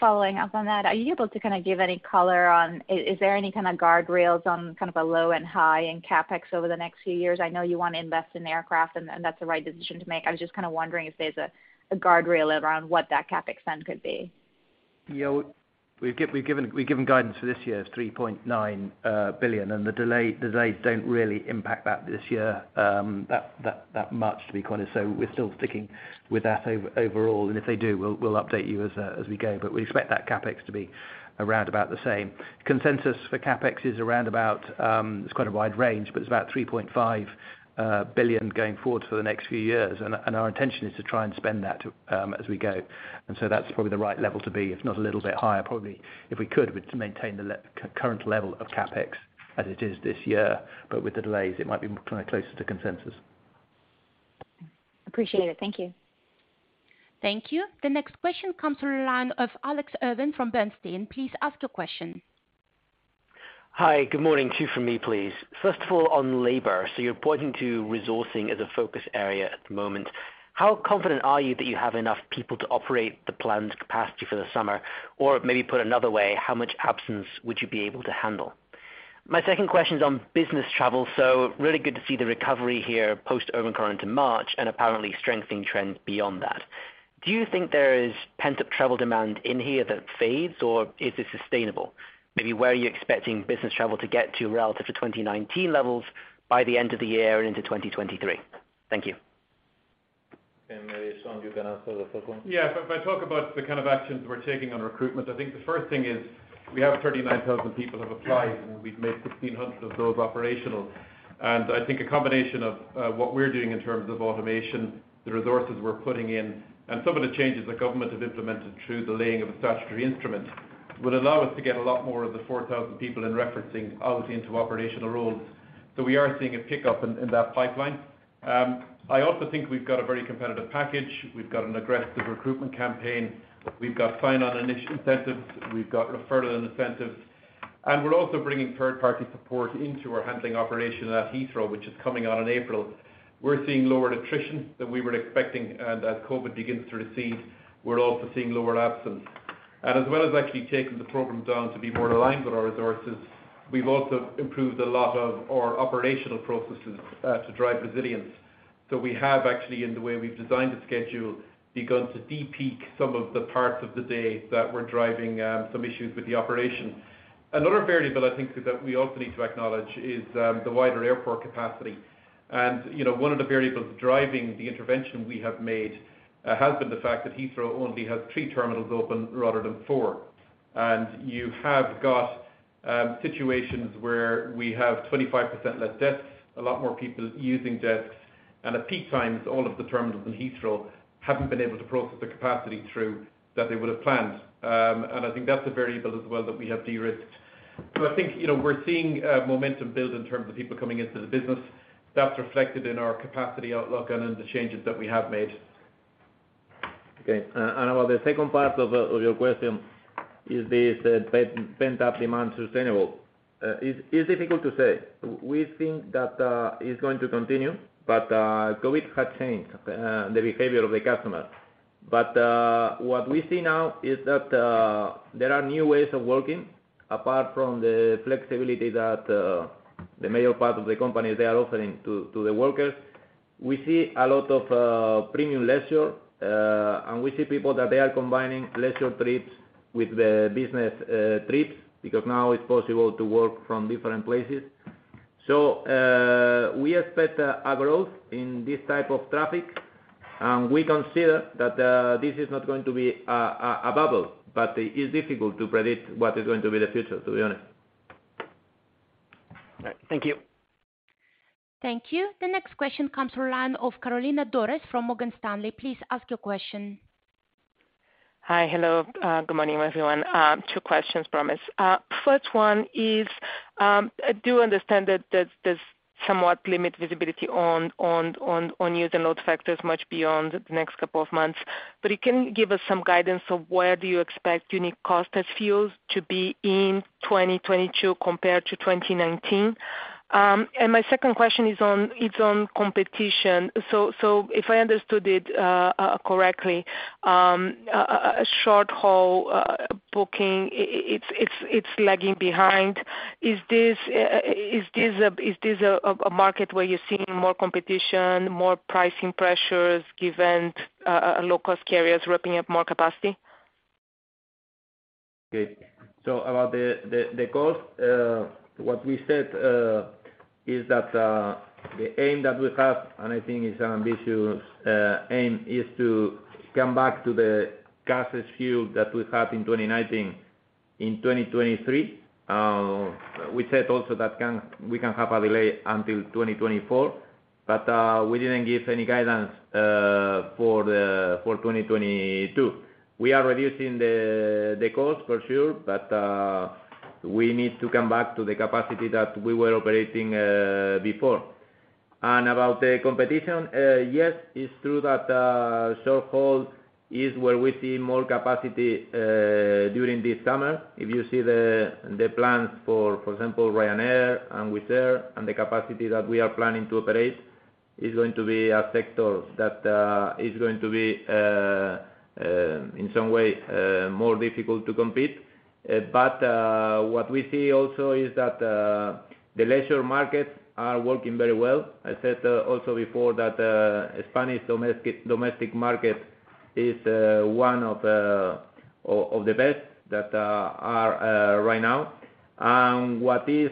Following up on that, are you able to kinda give any color on, is there any kinda guardrails on kind of a low and high in CapEx over the next few years? I know you wanna invest in aircraft and that's the right decision to make. I was just kinda wondering if there's a guardrail around what that CapEx spend could be. Yeah. We've given guidance for this year of $3.9 billion, and the delays don't really impact that this year, that much, to be quite honest. We're still sticking with that overall, and if they do, we'll update you as we go. We expect that CapEx to be around about the same. Consensus for CapEx is around about, it's quite a wide range, but it's about $3.5 billion going forward for the next few years. Our intention is to try and spend that as we go. That's probably the right level to be, if not a little bit higher. Probably, if we could, we'd like to maintain the current level of CapEx as it is this year, but with the delays, it might be kinda closer to consensus. Appreciate it. Thank you. Thank you. The next question comes from the line of Alex Irving from Bernstein. Please ask your question. Hi. Good morning. Two from me, please. First of all, on labor, so you're pointing to resourcing as a focus area at the moment. How confident are you that you have enough people to operate the planned capacity for the summer? Or maybe put another way, how much absence would you be able to handle? My second question's on business travel, so really good to see the recovery here post-Omicron into March, and apparently strengthening trends beyond that. Do you think there is pent-up travel demand in here that fades, or is it sustainable? Maybe where are you expecting business travel to get to relative to 2019 levels by the end of the year and into 2023? Thank you. Maybe, Sean, you can answer the first one. Yeah. If I talk about the kind of actions we're taking on recruitment, I think the first thing is we have 39,000 people have applied, and we've made 1,600 of those operational. I think a combination of what we're doing in terms of automation, the resources we're putting in, and some of the changes the government have implemented through the laying of a statutory instrument would allow us to get a lot more of the 4,000 people in referencing out into operational roles. We are seeing a pickup in that pipeline. I also think we've got a very competitive package. We've got an aggressive recruitment campaign. We've got sign-on incentives. We've got referral incentives. We're also bringing third-party support into our handling operation at Heathrow, which is coming on in April. We're seeing lower attrition than we were expecting, and as COVID begins to recede, we're also seeing lower absence. As well as actually taking the program down to be more aligned with our resources, we've also improved a lot of our operational processes to drive resilience. We have actually, in the way we've designed the schedule, begun to de-peak some of the parts of the day that were driving some issues with the operation. Another variable I think that we also need to acknowledge is the wider airport capacity. You know, one of the variables driving the intervention we have made has been the fact that Heathrow only has three terminals open rather than four. You have got situations where we have 25% less desks, a lot more people using desks, and at peak times, all of the terminals in Heathrow haven't been able to process the capacity through that they would've planned. I think that's a variable as well that we have de-risked. I think, you know, we're seeing momentum build in terms of people coming into the business. That's reflected in our capacity outlook and in the changes that we have made. Okay. About the second part of your question, is this pent-up demand sustainable? It's difficult to say. We think that it's going to continue, but COVID has changed the behavior of the customer. What we see now is that there are new ways of working apart from the flexibility that the major part of the companies they are offering to the workers. We see a lot of premium leisure and we see people that they are combining leisure trips with the business trips, because now it's possible to work from different places. We expect a growth in this type of traffic, and we consider that this is not going to be a bubble. It is difficult to predict what is going to be the future, to be honest. All right. Thank you. Thank you. The next question comes from the line of Carolina Dores from Morgan Stanley. Please ask your question. Hi. Hello. Good morning, everyone. Two questions, promise. First one is, I do understand that there's somewhat limited visibility on your load factors much beyond the next couple of months. You can give us some guidance on where you expect unit costs ex fuels to be in 2022 compared to 2019. My second question is on competition. If I understood it correctly, short-haul bookings, it's lagging behind. Is this a market where you're seeing more competition, more pricing pressures given low-cost carriers ramping up more capacity? Okay. About the cost, what we said is that the aim that we have, and I think it's an ambitious aim, is to come back to the capacity level that we had in 2019 in 2023. We said also that we can have a delay until 2024, but we didn't give any guidance for 2022. We are reducing the cost for sure, but we need to come back to the capacity that we were operating before. About the competition, yes, it's true that short haul is where we see more capacity during this summer. If you see the plans, for example, Ryanair and Wizz Air, and the capacity that we are planning to operate, is going to be a sector that is going to be in some way more difficult to compete. What we see also is that the leisure markets are working very well. I said also before that Spanish domestic market is one of the best that are right now. What is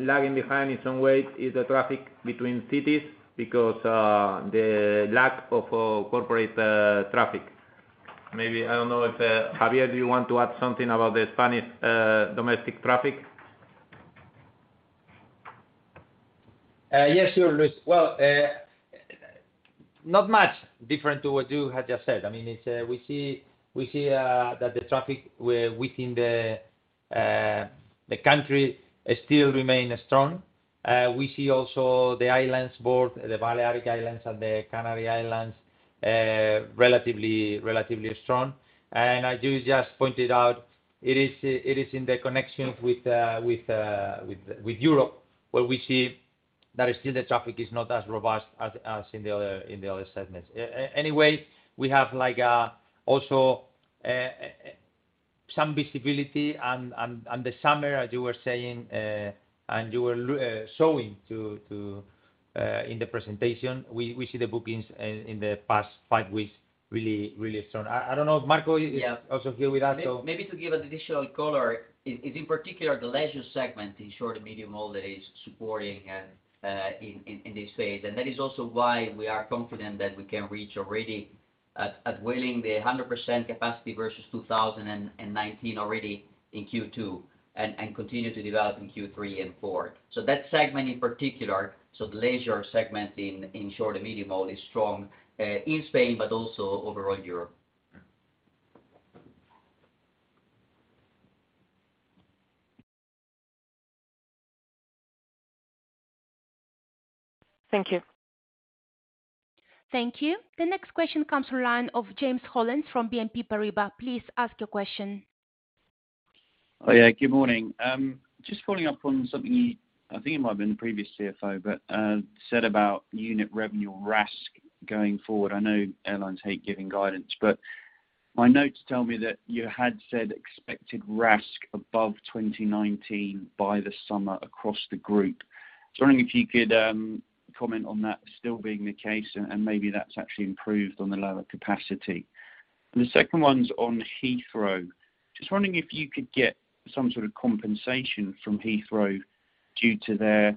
lagging behind in some ways is the traffic between cities because the lack of corporate traffic. Maybe I don't know if Javier do you want to add something about the Spanish domestic traffic? Yes, sure, Luis. Well, not much different to what you had just said. I mean, it's we see that the traffic within the country still remain strong. We see also the islands, both the Balearic Islands and the Canary Islands, relatively strong. As you just pointed out, it is in the connections with Europe, where we see that still the traffic is not as robust as in the other segments. Anyway, we have like also some visibility and the summer, as you were saying, and you were showing in the presentation, we see the bookings in the past five weeks really strong. I don't know if Marco is also here with us. Maybe to give an additional color is in particular the leisure segment in short and medium haul that is supporting in this phase. That is also why we are confident that we can reach 100% capacity versus 2019 already in Q2, and continue to develop in Q3 and Q4. That segment in particular, the leisure segment in short and medium haul is strong in Spain but also overall Europe. Thank you. Thank you. The next question comes from the line of James Hollins from BNP Paribas. Please ask your question. Oh, yeah, good morning. Just following up on something, I think it might have been the previous CFO, but said about unit revenue RASK going forward. I know airlines hate giving guidance, but my notes tell me that you had said expected RASK above 2019 by the summer across the group. Just wondering if you could comment on that still being the case, and maybe that's actually improved on the lower capacity. The second one's on Heathrow. Just wondering if you could get some sort of compensation from Heathrow due to their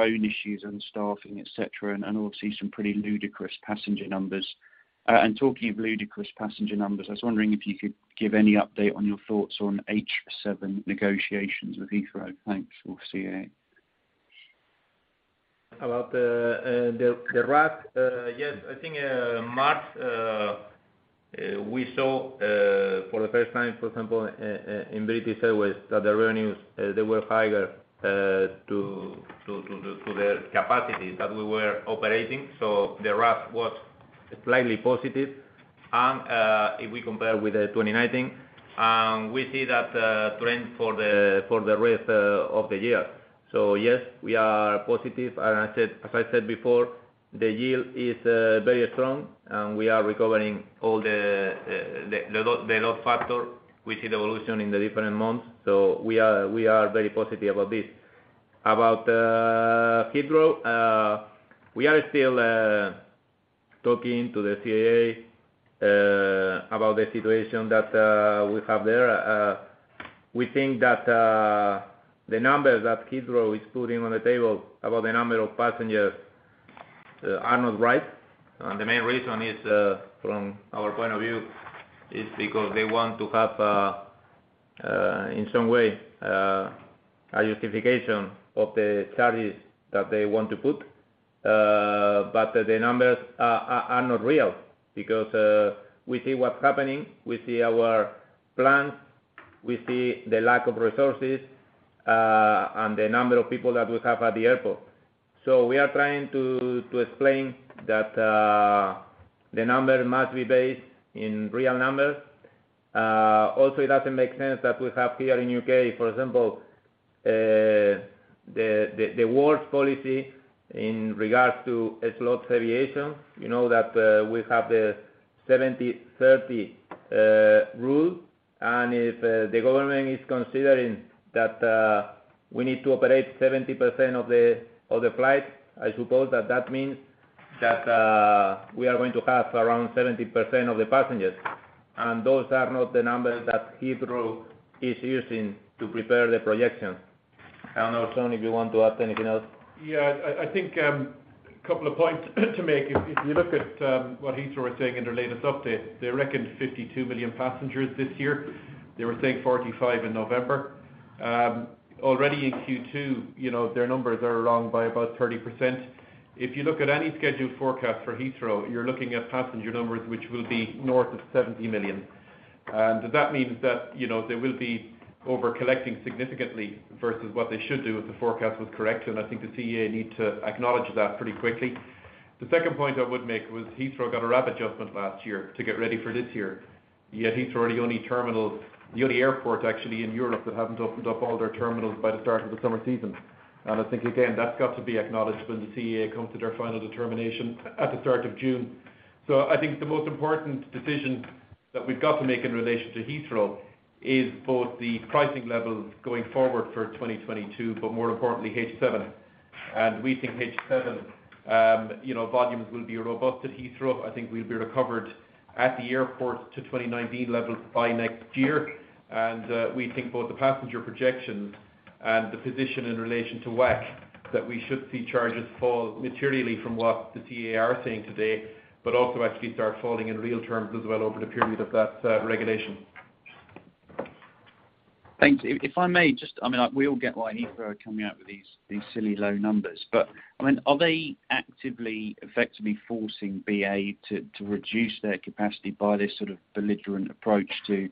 own issues and staffing, et cetera, and obviously some pretty ludicrous passenger numbers. Talking of ludicrous passenger numbers, I was wondering if you could give any update on your thoughts on H7 negotiations with Heathrow. Thanks. We'll see you. About the RASK, yes, I think, March, we saw for the first time, for example, in British Airways, that the revenues they were higher to the capacities that we were operating. The RASK was slightly positive. If we compare with 2019, and we see that trend for the rest of the year. Yes, we are positive. I said, as I said before, the yield is very strong, and we are recovering all the load factor. We see the evolution in the different months, so we are very positive about this. About Heathrow, we are still talking to the CAA about the situation that we have there. We think that the numbers that Heathrow is putting on the table about the number of passengers are not right. The main reason is from our point of view is because they want to have in some way a justification of the charges that they want to put. The numbers are not real, because we see what's happening. We see our plans. We see the lack of resources and the number of people that we have at the airport. We are trying to explain that the number must be based in real numbers. Also it doesn't make sense that we have here in U.K., for example, the worst policy in regards to slot variation. You know, that we have the 70/30 rule. If the government is considering that we need to operate 70% of the flights, I suppose that means that we are going to have around 70% of the passengers. Those are not the numbers that Heathrow is using to prepare the projection. I don't know, Sean, if you want to add anything else. Yeah. I think a couple of points to make. If you look at what Heathrow are saying in their latest update, they reckon 52 million passengers this year. They were saying 45 in November. Already in Q2, you know, their numbers are wrong by about 30%. If you look at any scheduled forecast for Heathrow, you are looking at passenger numbers which will be north of 70 million. That means that, you know, they will be over-collecting significantly versus what they should do if the forecast was correct. I think the CAA need to acknowledge that pretty quickly. The second point I would make was Heathrow got a rapid adjustment last year to get ready for this year. Yet Heathrow are the only terminal, the only airport actually in Europe that haven't opened up all their terminals by the start of the summer season. I think, again, that's got to be acknowledged when the CAA comes to their final determination at the start of June. I think the most important decision that we've got to make in relation to Heathrow is both the pricing levels going forward for 2022, but more importantly, H7. We think H7, you know, volumes will be robust at Heathrow. I think we'll be recovered at the airport to 2019 levels by next year. We think both the passenger projections and the position in relation to WACC, that we should see charges fall materially from what the CAA are saying today, but also actually start falling in real terms as well over the period of that regulation. Thanks. I mean, we all get why Heathrow are coming out with these silly low numbers. I mean, are they actively, effectively forcing BA to reduce their capacity by this sort of belligerent approach to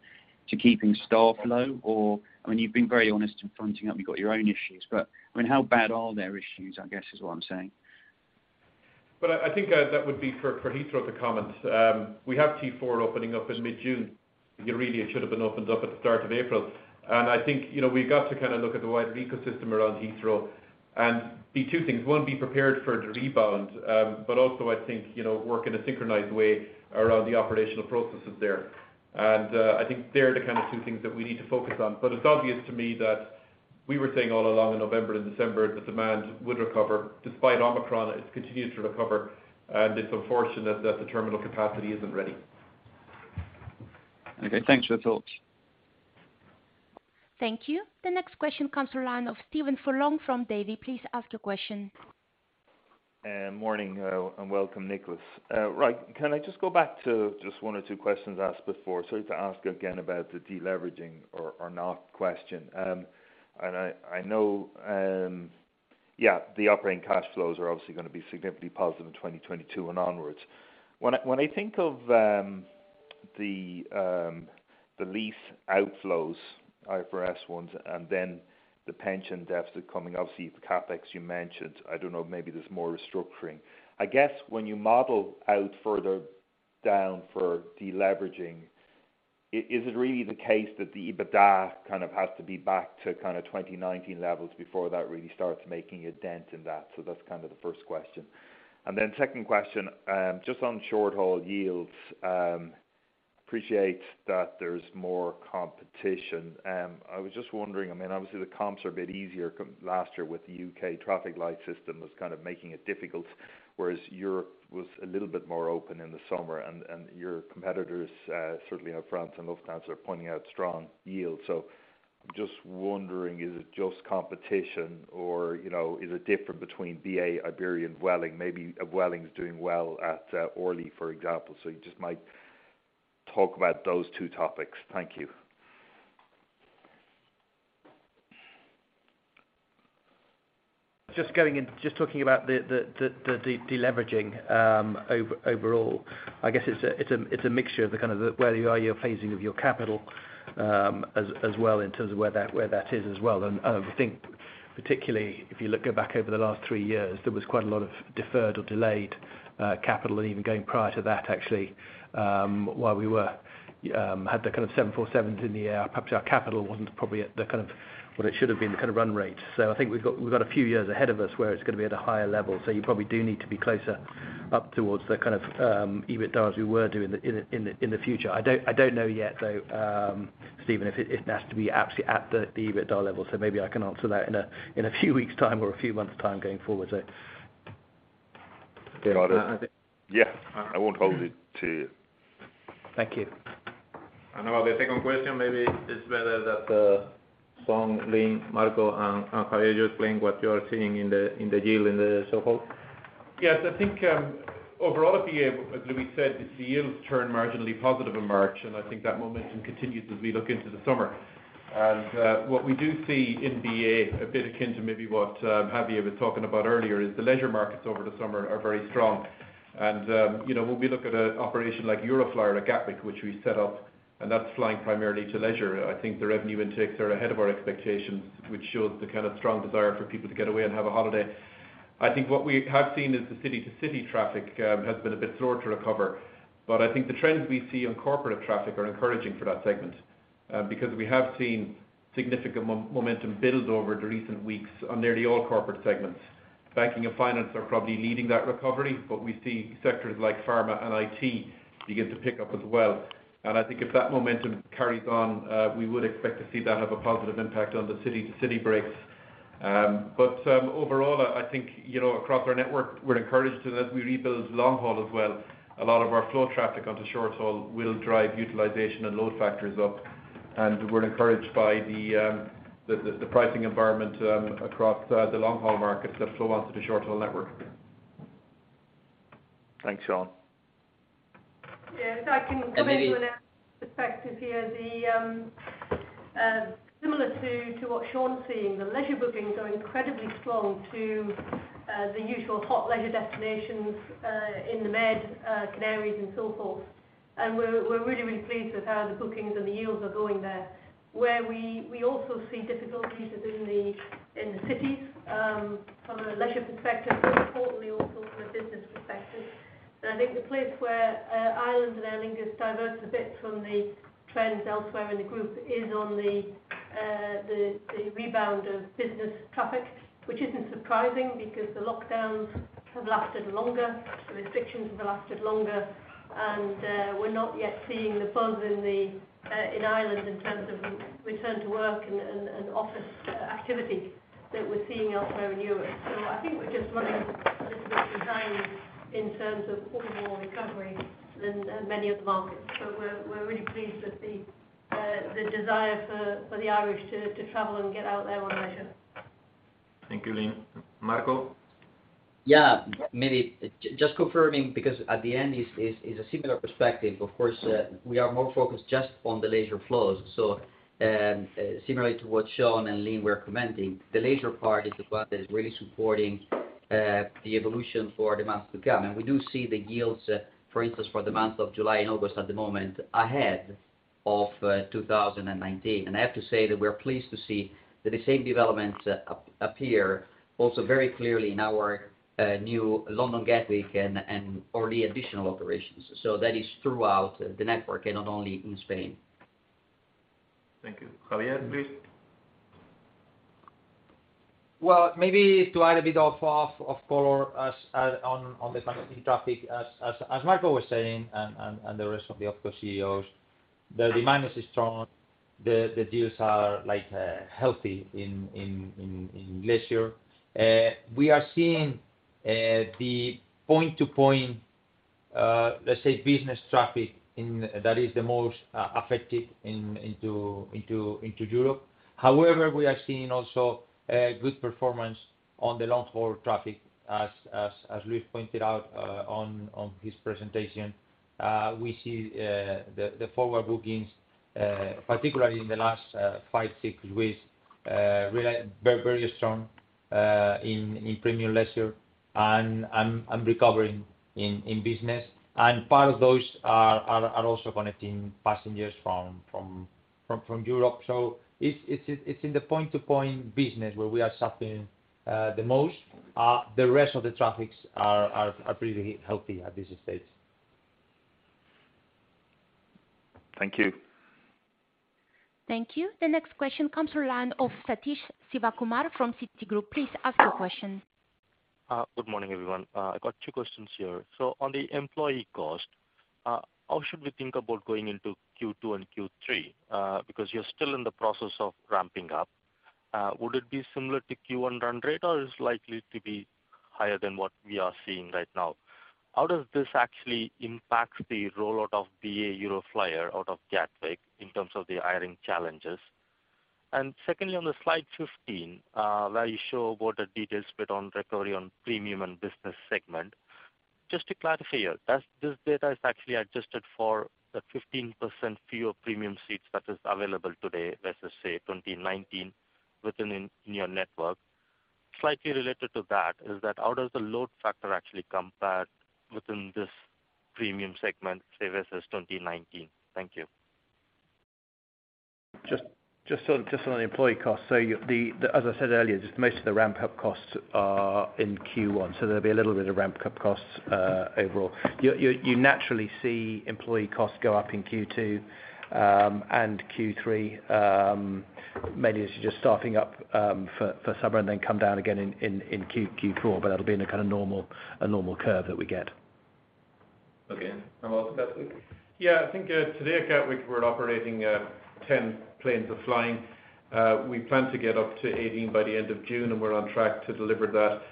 keeping staff low? Or, I mean, you've been very honest in pointing out you've got your own issues. I mean, how bad are their issues, I guess is what I'm saying. I think that would be for Heathrow to comment. We have T4 opening up in mid-June. Really, it should have been opened up at the start of April. I think, you know, we've got to kind of look at the wider ecosystem around Heathrow and the two things. One, be prepared for it to rebound. But also I think, you know, work in a synchronized way around the operational processes there. I think they're the kind of two things that we need to focus on. It's obvious to me that we were saying all along in November and December that demand would recover. Despite Omicron, it's continued to recover. It's unfortunate that the terminal capacity isn't ready. Okay, thanks for your thoughts. Thank you. The next question comes from the line of Stephen Furlong from Davy. Please ask your question. Morning and welcome, Nicholas. Right. Can I just go back to just one or two questions asked before? Sorry to ask again about the deleveraging or not question. I know, yeah, the operating cash flows are obviously gonna be significantly positive in 2022 and onwards. When I think of the lease outflows, IFRS ones, and then the pension deficit coming, obviously the CapEx you mentioned, I don't know, maybe there's more restructuring. I guess when you model out further down for deleveraging, is it really the case that the EBITDA kind of has to be back to kind of 2019 levels before that really starts making a dent in that? That's kind of the first question. Second question, just on short-haul yields. Appreciate that there's more competition. I was just wondering, I mean, obviously the comps are a bit easier last year with the U.K traffic light system was kind of making it difficult, whereas Europe was a little bit more open in the summer. Your competitors, certainly Air France and Lufthansa are pointing out strong yields. Just wondering, is it just competition or, you know, is it different between BA, Iberia, and Vueling? Maybe Vueling's doing well at Orly, for example. You just might talk about those two topics. Thank you. Just going in, just talking about the deleveraging overall, I guess it's a mixture of the kind of where you are in your phasing of your capital as well in terms of where that is as well. I think particularly if you look back over the last three years, there was quite a lot of deferred or delayed capital and even going prior to that actually, while we had the kind of 747s in the air, perhaps our capital wasn't probably at the kind of what it should have been the kind of run rate. I think we've got a few years ahead of us where it's gonna be at a higher level. You probably do need to be closer up towards the kind of EBITDA we were doing in the future. I don't know yet though, Stephen, if it has to be absolutely at the EBITDA level. Maybe I can answer that in a few weeks' time or a few months' time going forward. Got it. I think. Yeah. I won't hold it against you. Thank you. About the second question, maybe it's better that Sean, Lynne, Marco, and Javier explain what you're seeing in the yield in the short haul. Yes. I think overall at BA, as Luis said, the yields turned marginally positive in March, and I think that momentum continues as we look into the summer. What we do see in BA, a bit akin to maybe what Javier was talking about earlier, is the leisure markets over the summer are very strong. You know, when we look at an operation like Euroflyer at Gatwick, which we set up, and that's flying primarily to leisure, I think the revenue intakes are ahead of our expectations, which shows the kind of strong desire for people to get away and have a holiday. I think what we have seen is the city-to-city traffic has been a bit slower to recover. I think the trends we see on corporate traffic are encouraging for that segment, because we have seen significant momentum build over the recent weeks on nearly all corporate segments. Banking and finance are probably leading that recovery, but we see sectors like pharma and IT begin to pick up as well. I think if that momentum carries on, we would expect to see that have a positive impact on the city-to-city breaks. Overall, I think, you know, across our network, we're encouraged that as we rebuild long haul as well, a lot of our flow traffic onto short haul will drive utilization and load factors up. We're encouraged by the pricing environment across the long haul markets that flow onto the short haul network. Thanks, Sean. Yeah. If I can come in with a perspective here. Similar to what Sean's seeing, the leisure bookings are incredibly strong to the usual hot leisure destinations in the Med, Canaries and so forth. We're really pleased with how the bookings and the yields are going there. Where we also see difficulties is in the cities from a leisure perspective, but importantly also from a business perspective. I think the place where Ireland and Aer Lingus diverge a bit from the trends elsewhere in the group is on the rebound of business traffic, which isn't surprising because the lockdowns have lasted longer, the restrictions have lasted longer, and we're not yet seeing the buzz in Ireland in terms of return to work and office activity that we're seeing elsewhere in Europe. I think we're just running a little bit behind in terms of overall recovery than many other markets. We're really pleased with the desire for the Irish to travel and get out there on leisure. Thank you, Lynne. Marco? Yeah. Maybe just confirming, because at the end is a similar perspective. Of course, we are more focused just on the leisure flows. Similarly to what Sean and Lynne were commenting, the leisure part is the one that is really supporting the evolution for the months to come. We do see the yields, for instance, for the month of July and August at the moment ahead of 2019. I have to say that we're pleased to see that the same developments appear also very clearly in our new London Gatwick and early additional operations. That is throughout the network and not only in Spain. Thank you. Javier, please. Well, maybe to add a bit of color on the traffic as Marco was saying and the rest of the OpCo CEOs, the demand is strong. The yields are like healthy in leisure. We are seeing the point-to-point, let's say business traffic that is the most affected into Europe. However, we are seeing also good performance on the long-haul traffic as Luis pointed out on his presentation. We see the forward bookings particularly in the last five, six weeks very, very strong in premium leisure and recovering in business. Part of those are also connecting passengers from Europe. It's in the point-to-point business where we are suffering the most. The rest of the traffics are pretty healthy at this stage. Thank you. Thank you. The next question comes from the line of Sathish Sivakumar from Citigroup. Please ask your question. Good morning, everyone. I've got two questions here. On the employee cost, how should we think about going into Q2 and Q3? Because you're still in the process of ramping up. Would it be similar to Q1 run rate, or is likely to be higher than what we are seeing right now? How does this actually impact the rollout of BA Euroflyer out of Gatwick in terms of the hiring challenges? Secondly, on the slide 15, where you show about the details split on recovery on premium and business segment, just to clarify here, does this data is actually adjusted for the 15% fewer premium seats that is available today, let's just say 2019, within your network? Slightly related to that is that how does the load factor actually compare within this premium segment, say versus 2019? Thank you. Just on the employee cost. As I said earlier, just most of the ramp-up costs are in Q1, so there'll be a little bit of ramp-up costs overall. You naturally see employee costs go up in Q2 and Q3, mainly as you're just starting up for summer and then come down again in Q4. That'll be in a kind of normal curve that we get. Okay. Also Gatwick? Yeah. I think today at Gatwick we're operating ten planes of flying. We plan to get up to 18 by the end of June, and we're on track to deliver that.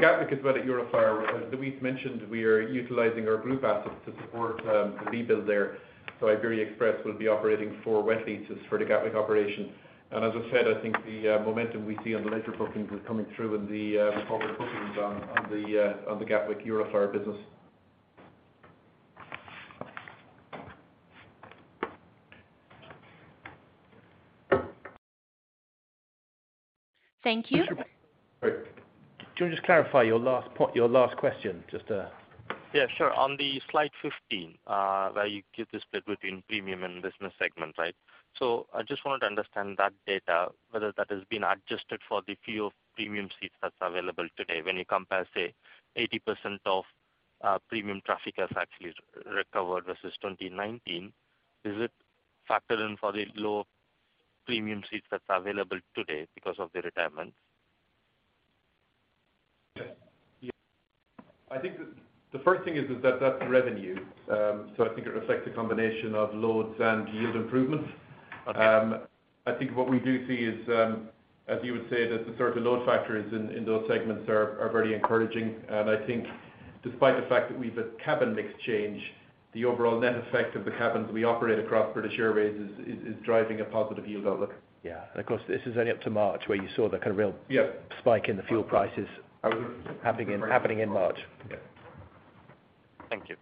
Gatwick is where the Euroflyer, as Luis mentioned, we are utilizing our group assets to support the rebuild there. Iberia Express will be operating four wet leases for the Gatwick operation. As I said, I think the momentum we see on the leisure bookings is coming through in the forward bookings on the Gatwick Euroflyer business. Thank you. Richard. Great. Do you want to just clarify your last question, just, Yeah, sure. On the slide 15, where you give the split between premium and business segment, right? So I just wanted to understand that data, whether that has been adjusted for the few premium seats that's available today. When you compare, say, 80% of premium traffic has actually recovered versus 2019, is it factoring for the low premium seats that's available today because of the retirement? Yeah. I think the first thing is that that's revenue. I think it reflects a combination of loads and yield improvements. Okay. I think what we do see is, as you would say, that the sort of load factors in those segments are very encouraging. I think despite the fact that we've a cabin mix change, the overall net effect of the cabins we operate across British Airways is driving a positive yield outlook. Of course, this is only up to March, where you saw the kind of real- Yeah. Spike in the fuel prices happening in March. Yeah. Thank you.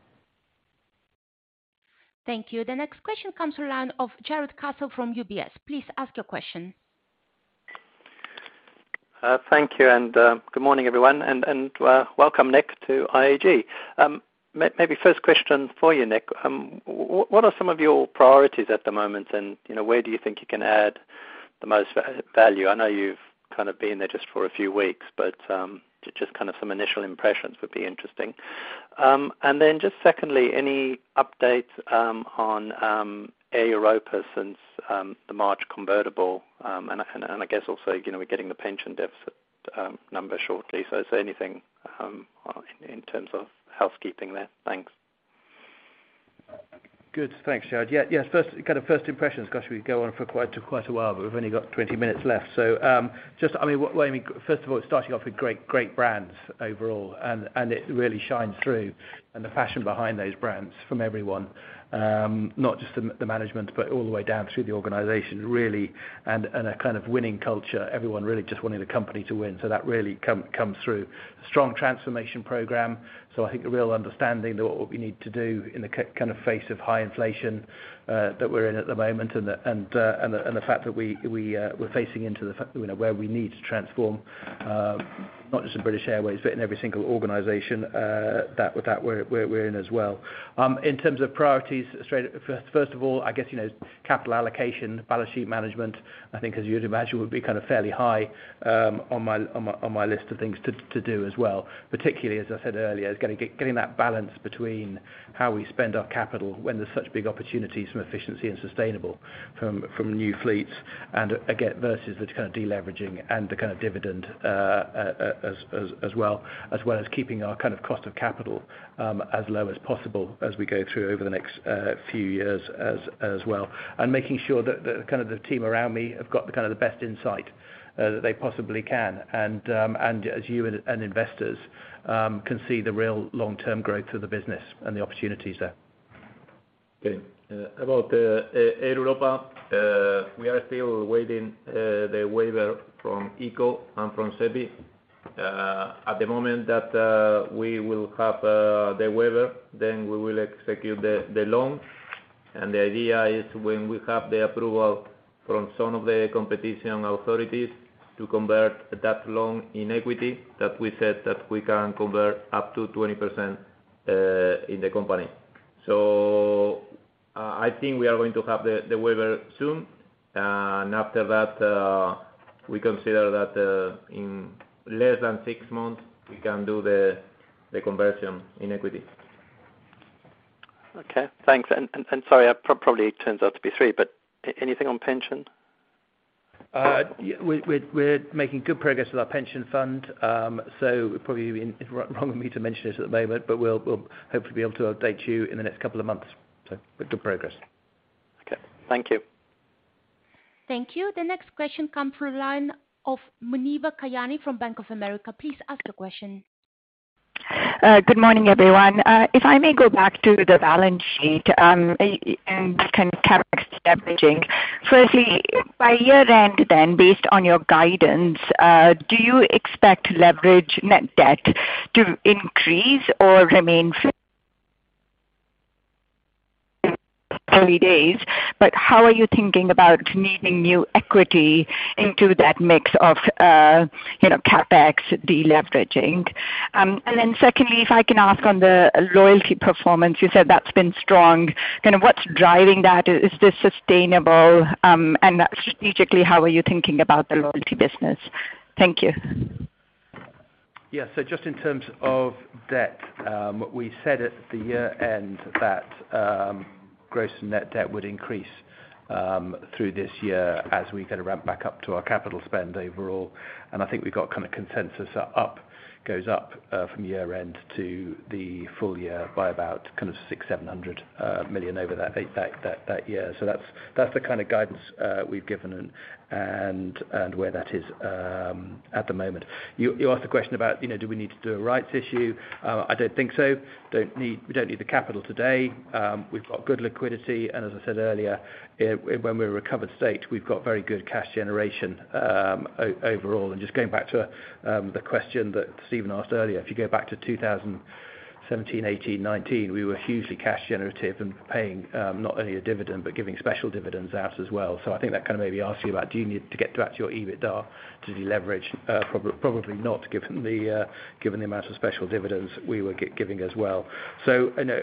Thank you. The next question comes to the line of Jarrod Castle from UBS. Please ask your question. Thank you, and good morning, everyone. Welcome, Nick, to IAG. Maybe first question for you, Nick. What are some of your priorities at the moment? You know, where do you think you can add the most value? I know you've kind of been there just for a few weeks, but just kind of some initial impressions would be interesting. Then just secondly, any updates on Air Europa since the March convertible? I guess also, you know, we're getting the pension deficit number shortly. Is there anything in terms of housekeeping there? Thanks. Good. Thanks, Jared. Yeah, yes. First, kind of first impressions. Gosh, we could go on for quite a while, but we've only got 20 minutes left. Just, I mean, well, I mean, first of all, it's starting off with great brands overall, and it really shines through. The passion behind those brands from everyone, not just the management, but all the way down through the organization, really, and a kind of winning culture. Everyone really just wanting the company to win. That really comes through. Strong transformation program. I think a real understanding of what we need to do in the face of high inflation that we're in at the moment, and the fact that we're facing into the future, you know, where we need to transform, not just in British Airways, but in every single organization that we're in as well. In terms of priorities, first of all, I guess, you know, capital allocation, balance sheet management, I think as you'd imagine, would be kind of fairly high on my list of things to do as well. Particularly, as I said earlier, getting that balance between how we spend our capital when there's such big opportunities from efficiency and sustainability from new fleets, and again, versus the kind of deleveraging and the kind of dividend, as well as keeping our kind of cost of capital as low as possible as we go through over the next few years as well. Making sure that the team around me have got the best insight that they possibly can. As you and investors can see the real long-term growth of the business and the opportunities there. Okay. About Air Europa, we are still waiting the waiver from ICO and from SEPI. At the moment that we will have the waiver, then we will execute the loan. The idea is when we have the approval from some of the competition authorities to convert that loan in equity, that we said that we can convert up to 20% in the company. I think we are going to have the waiver soon. After that, we consider that in less than six months, we can do the conversion in equity. Okay. Thanks. Sorry, I probably turns out to be three, but anything on pension? Yeah, we're making good progress with our pension fund. Probably wrong of me to mention this at the moment, but we'll hopefully be able to update you in the next couple of months. Good progress. Okay. Thank you. Thank you. The next question comes through the line of Muneeba Kayani from Bank of America. Please ask your question. Good morning, everyone. If I may go back to the balance sheet, and kind of CapEx leveraging. First, by year-end then, based on your guidance, do you expect leverage net debt to increase or remain flat? How are you thinking about needing new equity into that mix of, you know, CapEx deleveraging? Then second, if I can ask on the loyalty performance, you said that's been strong. Kind of what's driving that? Is this sustainable? And strategically, how are you thinking about the loyalty business? Thank you. Yeah. Just in terms of debt, we said at the year-end that gross net debt would increase through this year as we kind of ramp back up to our capital spend overall. I think we've got kind of consensus up, goes up from year end to the full year by about kind of $600-$700 million over that year. That's the kind of guidance we've given and where that is at the moment. You asked a question about, you know, do we need to do a rights issue? I don't think so. We don't need the capital today. We've got good liquidity. As I said earlier, when we're in a recovered state, we've got very good cash generation overall. Just going back to the question that Stephen asked earlier. If you go back to 2017, 2018, 2019, we were hugely cash generative and paying not only a dividend, but giving special dividends out as well. I think that kind of maybe asks you about do you need to get back to your EBITDA to deleverage? Probably not given the amount of special dividends we were giving as well. I know,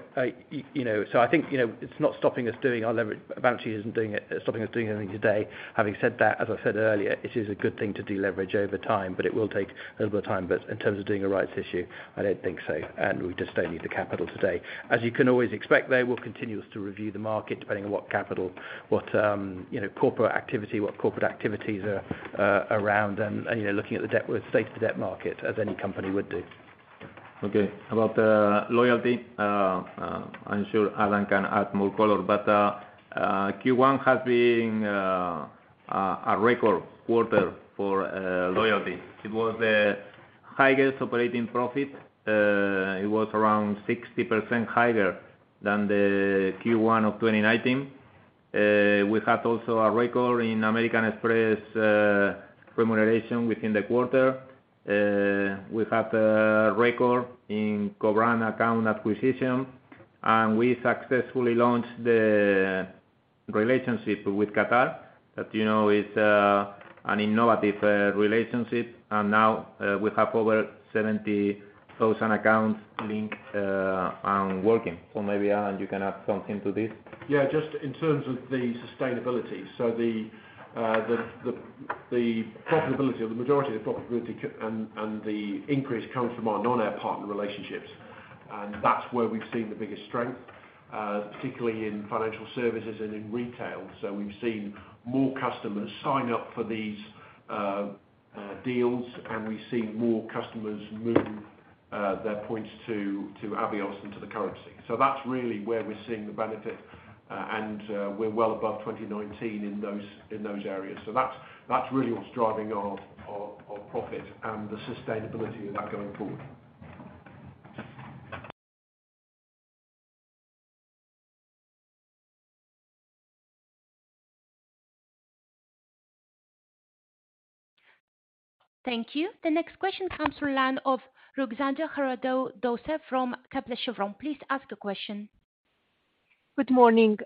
you know. I think, you know, it's not stopping us doing our balance sheet isn't doing it, stopping us doing anything today. Having said that, as I said earlier, it is a good thing to deleverage over time, but it will take a little bit of time. In terms of doing a rights issue, I don't think so, and we just don't need the capital today. As you can always expect, though, we'll continue to review the market depending on what corporate activities are around and, you know, looking at the debt with the state of the debt market as any company would do. Okay. About loyalty, I'm sure Alan can add more color, but Q1 has been a record quarter for loyalty. It was the highest operating profit. It was around 60% higher than the Q1 of 2019. We had also a record in American Express remuneration within the quarter. We had a record in co-brand account acquisition, and we successfully launched the relationship with Qatar. That, you know, is an innovative relationship. Now we have over 70,000 accounts linked and working. Maybe, Alan, you can add something to this. Just in terms of the sustainability. The profitability or the majority of the profitability and the increase comes from our non-air partner relationships. That's where we've seen the biggest strength, particularly in financial services and in retail. We've seen more customers sign up for these deals, and we've seen more customers move their points to Avios into the currency. That's really where we're seeing the benefit, and we're well above 2019 in those areas. That's really what's driving our profit and the sustainability of that going forward. Thank you. The next question comes from the line of Ruxandra Haradau-Döser from Credit Suisse. Please ask a question. Good morning.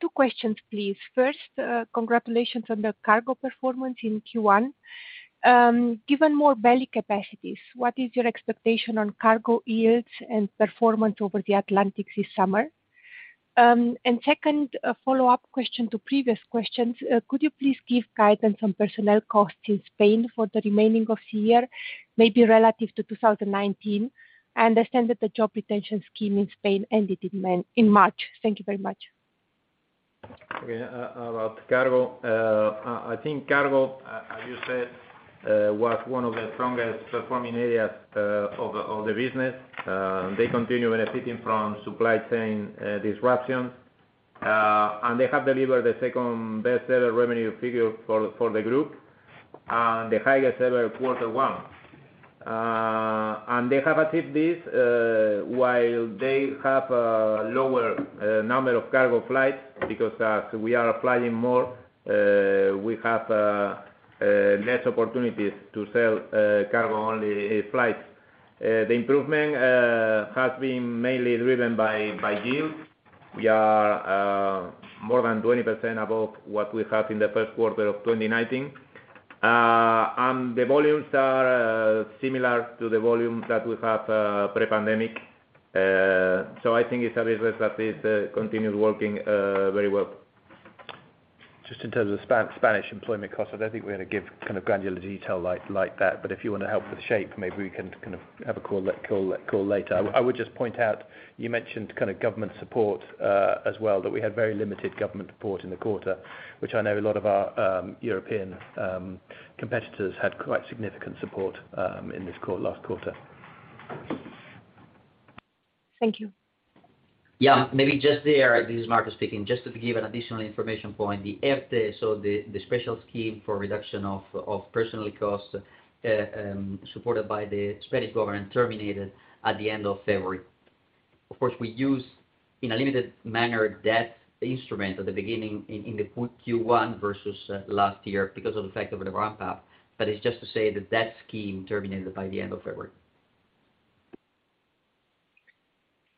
Two questions, please. First, congratulations on the cargo performance in Q1. Given more belly capacities, what is your expectation on cargo yields and performance over the Atlantic this summer? Second, a follow-up question to previous questions. Could you please give guidance on personnel costs in Spain for the remaining of the year, maybe relative to 2019? I understand that the job retention scheme in Spain ended in March. Thank you very much. Okay. About cargo. I think cargo, as you said, was one of the strongest performing areas of the business. They continue benefiting from supply chain disruptions. They have delivered the second best ever revenue figure for the group and the highest ever quarter one. They have achieved this while they have a lower number of cargo flights, because as we are flying more, we have less opportunities to sell cargo-only flights. The improvement has been mainly driven by yield. We are more than 20% above what we had in the first quarter of 2019. The volumes are similar to the volume that we had pre-pandemic. I think it's a business that continues working very well. Just in terms of Spanish employment costs, I don't think we're gonna give kind of granular detail like that. If you wanna help with shape, maybe we can kind of have a call later. I would just point out, you mentioned kind of government support as well, that we had very limited government support in the quarter, which I know a lot of our European competitors had quite significant support in this last quarter. Thank you. Yeah. Maybe just there, this is Marco speaking. Just to give an additional information point. The ERTE, so the special scheme for reduction of personnel costs, supported by the Spanish government, terminated at the end of February. Of course, we used, in a limited manner, that instrument at the beginning in the Q1 versus last year because of the effect of the ramp up. It's just to say that scheme terminated by the end of February.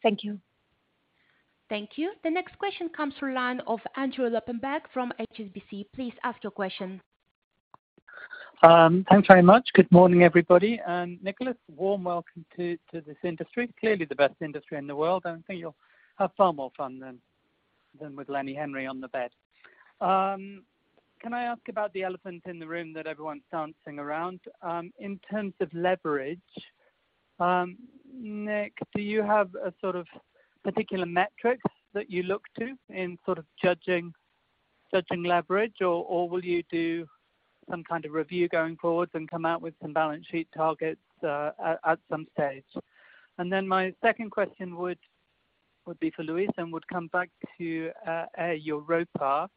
Thank you. Thank you. The next question comes from line of Andrew Lobbenberg from HSBC. Please ask your question. Thanks very much. Good morning, everybody. Nicholas, warm welcome to this industry. Clearly the best industry in the world. I think you'll have far more fun than with Lenny Henry on the bed. Can I ask about the elephant in the room that everyone's dancing around? In terms of leverage, Nick, do you have a sort of particular metrics that you look to in sort of judging leverage? Or will you do some kind of review going forward and come out with some balance sheet targets at some stage? My second question would be for Luis and would come back to Air Europa.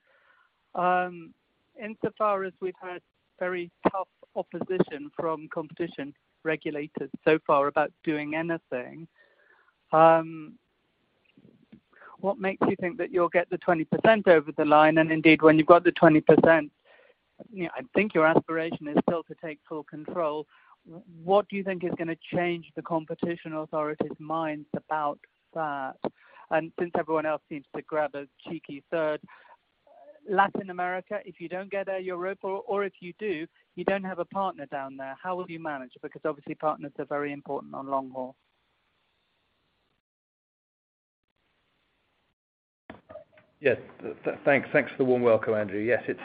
Insofar as we've had very tough opposition from competition regulators so far about doing anything, what makes you think that you'll get the 20% over the line? Indeed, when you've got the 20%, you know, I think your aspiration is still to take full control. What do you think is gonna change the competition authorities' minds about that? Since everyone else seems to grab a cheeky third, Latin America, if you don't get Air Europa or if you do, you don't have a partner down there, how will you manage? Because obviously partners are very important on long haul. Yes. Thanks for the warm welcome, Andrew. Yes, it's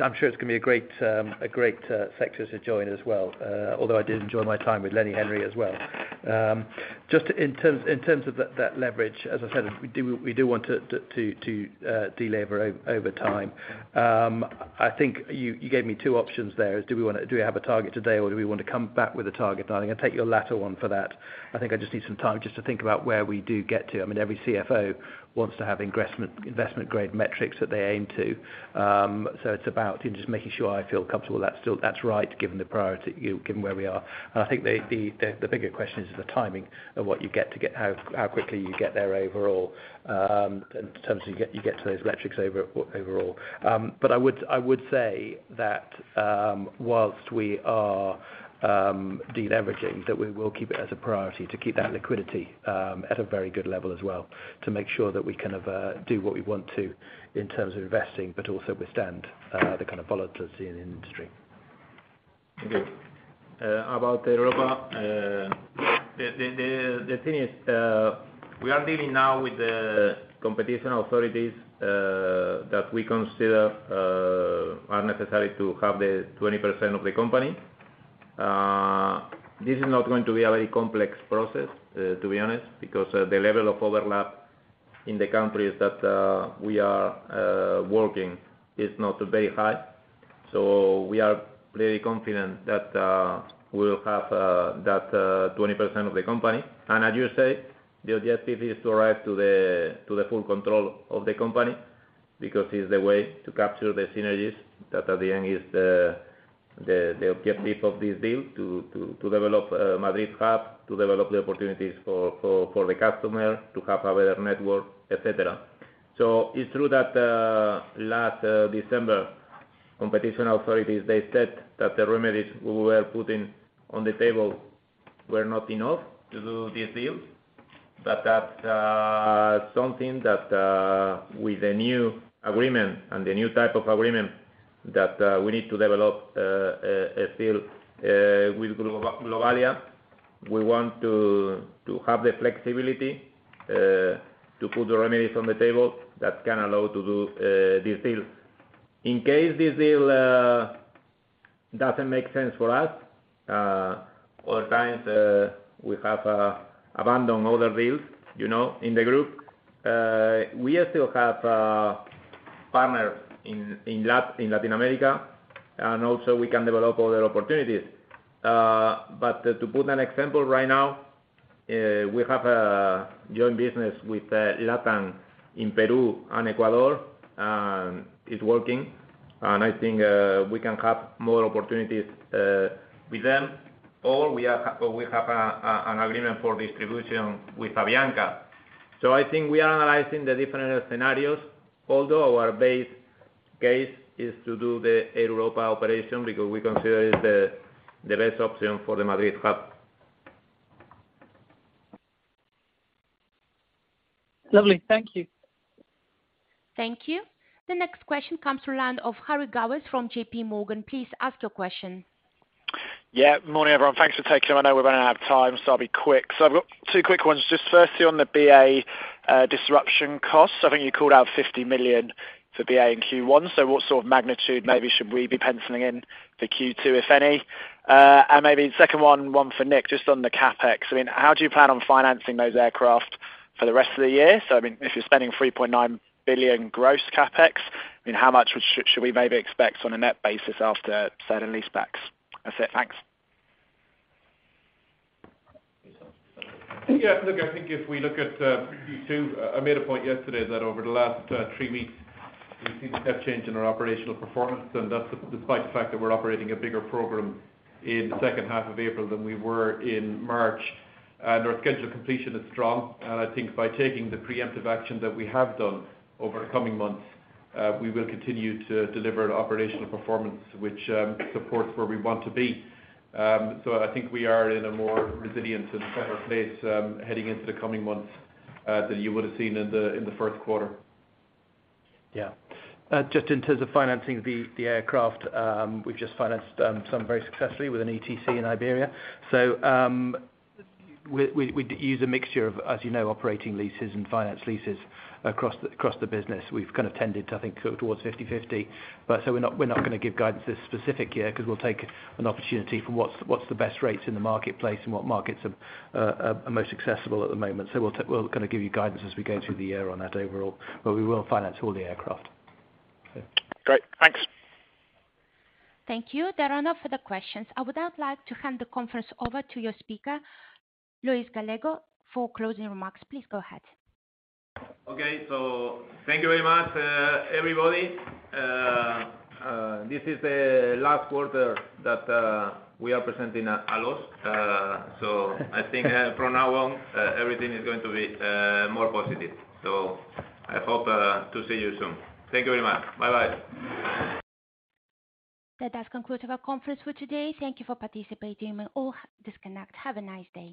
a—I'm sure it's gonna be a great sector to join as well. Although I did enjoy my time with Lenny Henry as well. Just in terms of that leverage, as I said, we want to delever over time. I think you gave me two options there, do we have a target today or do we want to come back with a target? I think I take your latter one for that. I think I just need some time to think about where we get to. I mean, every CFO wants to have investment-grade metrics that they aim to. It's about just making sure I feel comfortable that's right, given the priority, you know, given where we are. I think the bigger question is the timing of what you get, how quickly you get there overall, in terms of you get to those metrics overall. I would say that whilst we are de-leveraging, that we will keep it as a priority to keep that liquidity at a very good level as well, to make sure that we can do what we want to in terms of investing, but also withstand the kind of volatility in the industry. Okay. About Air Europa, the thing is, we are dealing now with the competition authorities that we consider are necessary to have the 20% of the company. This is not going to be a very complex process, to be honest, because the level of overlap in the countries that we are working is not very high. We are very confident that we'll have that 20% of the company. As you say, the objective is to arrive to the full control of the company because it's the way to capture the synergies that at the end is the objective of this deal to develop Madrid hub, to develop the opportunities for the customer, to have a better network, etc. It's true that last December, competition authorities they said that the remedies we were putting on the table were not enough to do this deal. That's something that, with the new agreement and the new type of agreement that we need to develop a deal with Globalia, we want to have the flexibility to put the remedies on the table that can allow to do this deal. In case this deal doesn't make sense for us. Other times we have abandoned other deals, you know, in the group. We still have partners in Latin America, and also we can develop other opportunities. To put an example right now, we have a joint business with LATAM in Peru and Ecuador, and it's working. I think we can have more opportunities with them, or we have an agreement for distribution with Avianca. I think we are analyzing the different scenarios, although our base case is to do the Air Europa operation because we consider it the best option for the Madrid hub. Lovely. Thank you. Thank you. The next question comes from the line of Harry Gowers from JPMorgan. Please ask your question. Morning, everyone. Thanks for taking. I know we're running out of time, so I'll be quick. I've got two quick ones. Just firstly, on the BA disruption costs, I think you called out $50 million for BA in Q1. What sort of magnitude maybe should we be penciling in for Q2, if any? Maybe second one for Nick, just on the CapEx. I mean, how do you plan on financing those aircraft for the rest of the year? I mean, if you're spending $3.9 billion gross CapEx, I mean, how much should we maybe expect on a net basis after certain leasebacks? That's it. Thanks. Look, I think if we look at Q2, I made a point yesterday that over the last three weeks, we've seen a step change in our operational performance, and that's despite the fact that we're operating a bigger program in the second half of April than we were in March. Our schedule completion is strong. I think by taking the preemptive action that we have done over the coming months, we will continue to deliver an operational performance which supports where we want to be. I think we are in a more resilient and better place heading into the coming months than you would have seen in the first quarter. Just in terms of financing the aircraft, we've just financed some very successfully with an EETC in Iberia. We use a mixture of, as you know, operating leases and finance leases across the business. We've kind of tended to, I think, go towards 50/50. We're not gonna give guidance this specific year because we'll take an opportunity for what's the best rates in the marketplace and what markets are most accessible at the moment. We'll kind of give you guidance as we go through the year on that overall, but we will finance all the aircraft. Great. Thanks. Thank you. There are no further questions. I would now like to hand the conference over to your speaker, Luis Gallego, for closing remarks. Please go ahead. Okay. Thank you very much, everybody. This is the last quarter that we are presenting a loss. I think from now on everything is going to be more positive. I hope to see you soon. Thank you very much. Bye-bye. That does conclude our conference for today. Thank you for participating. You may all disconnect. Have a nice day.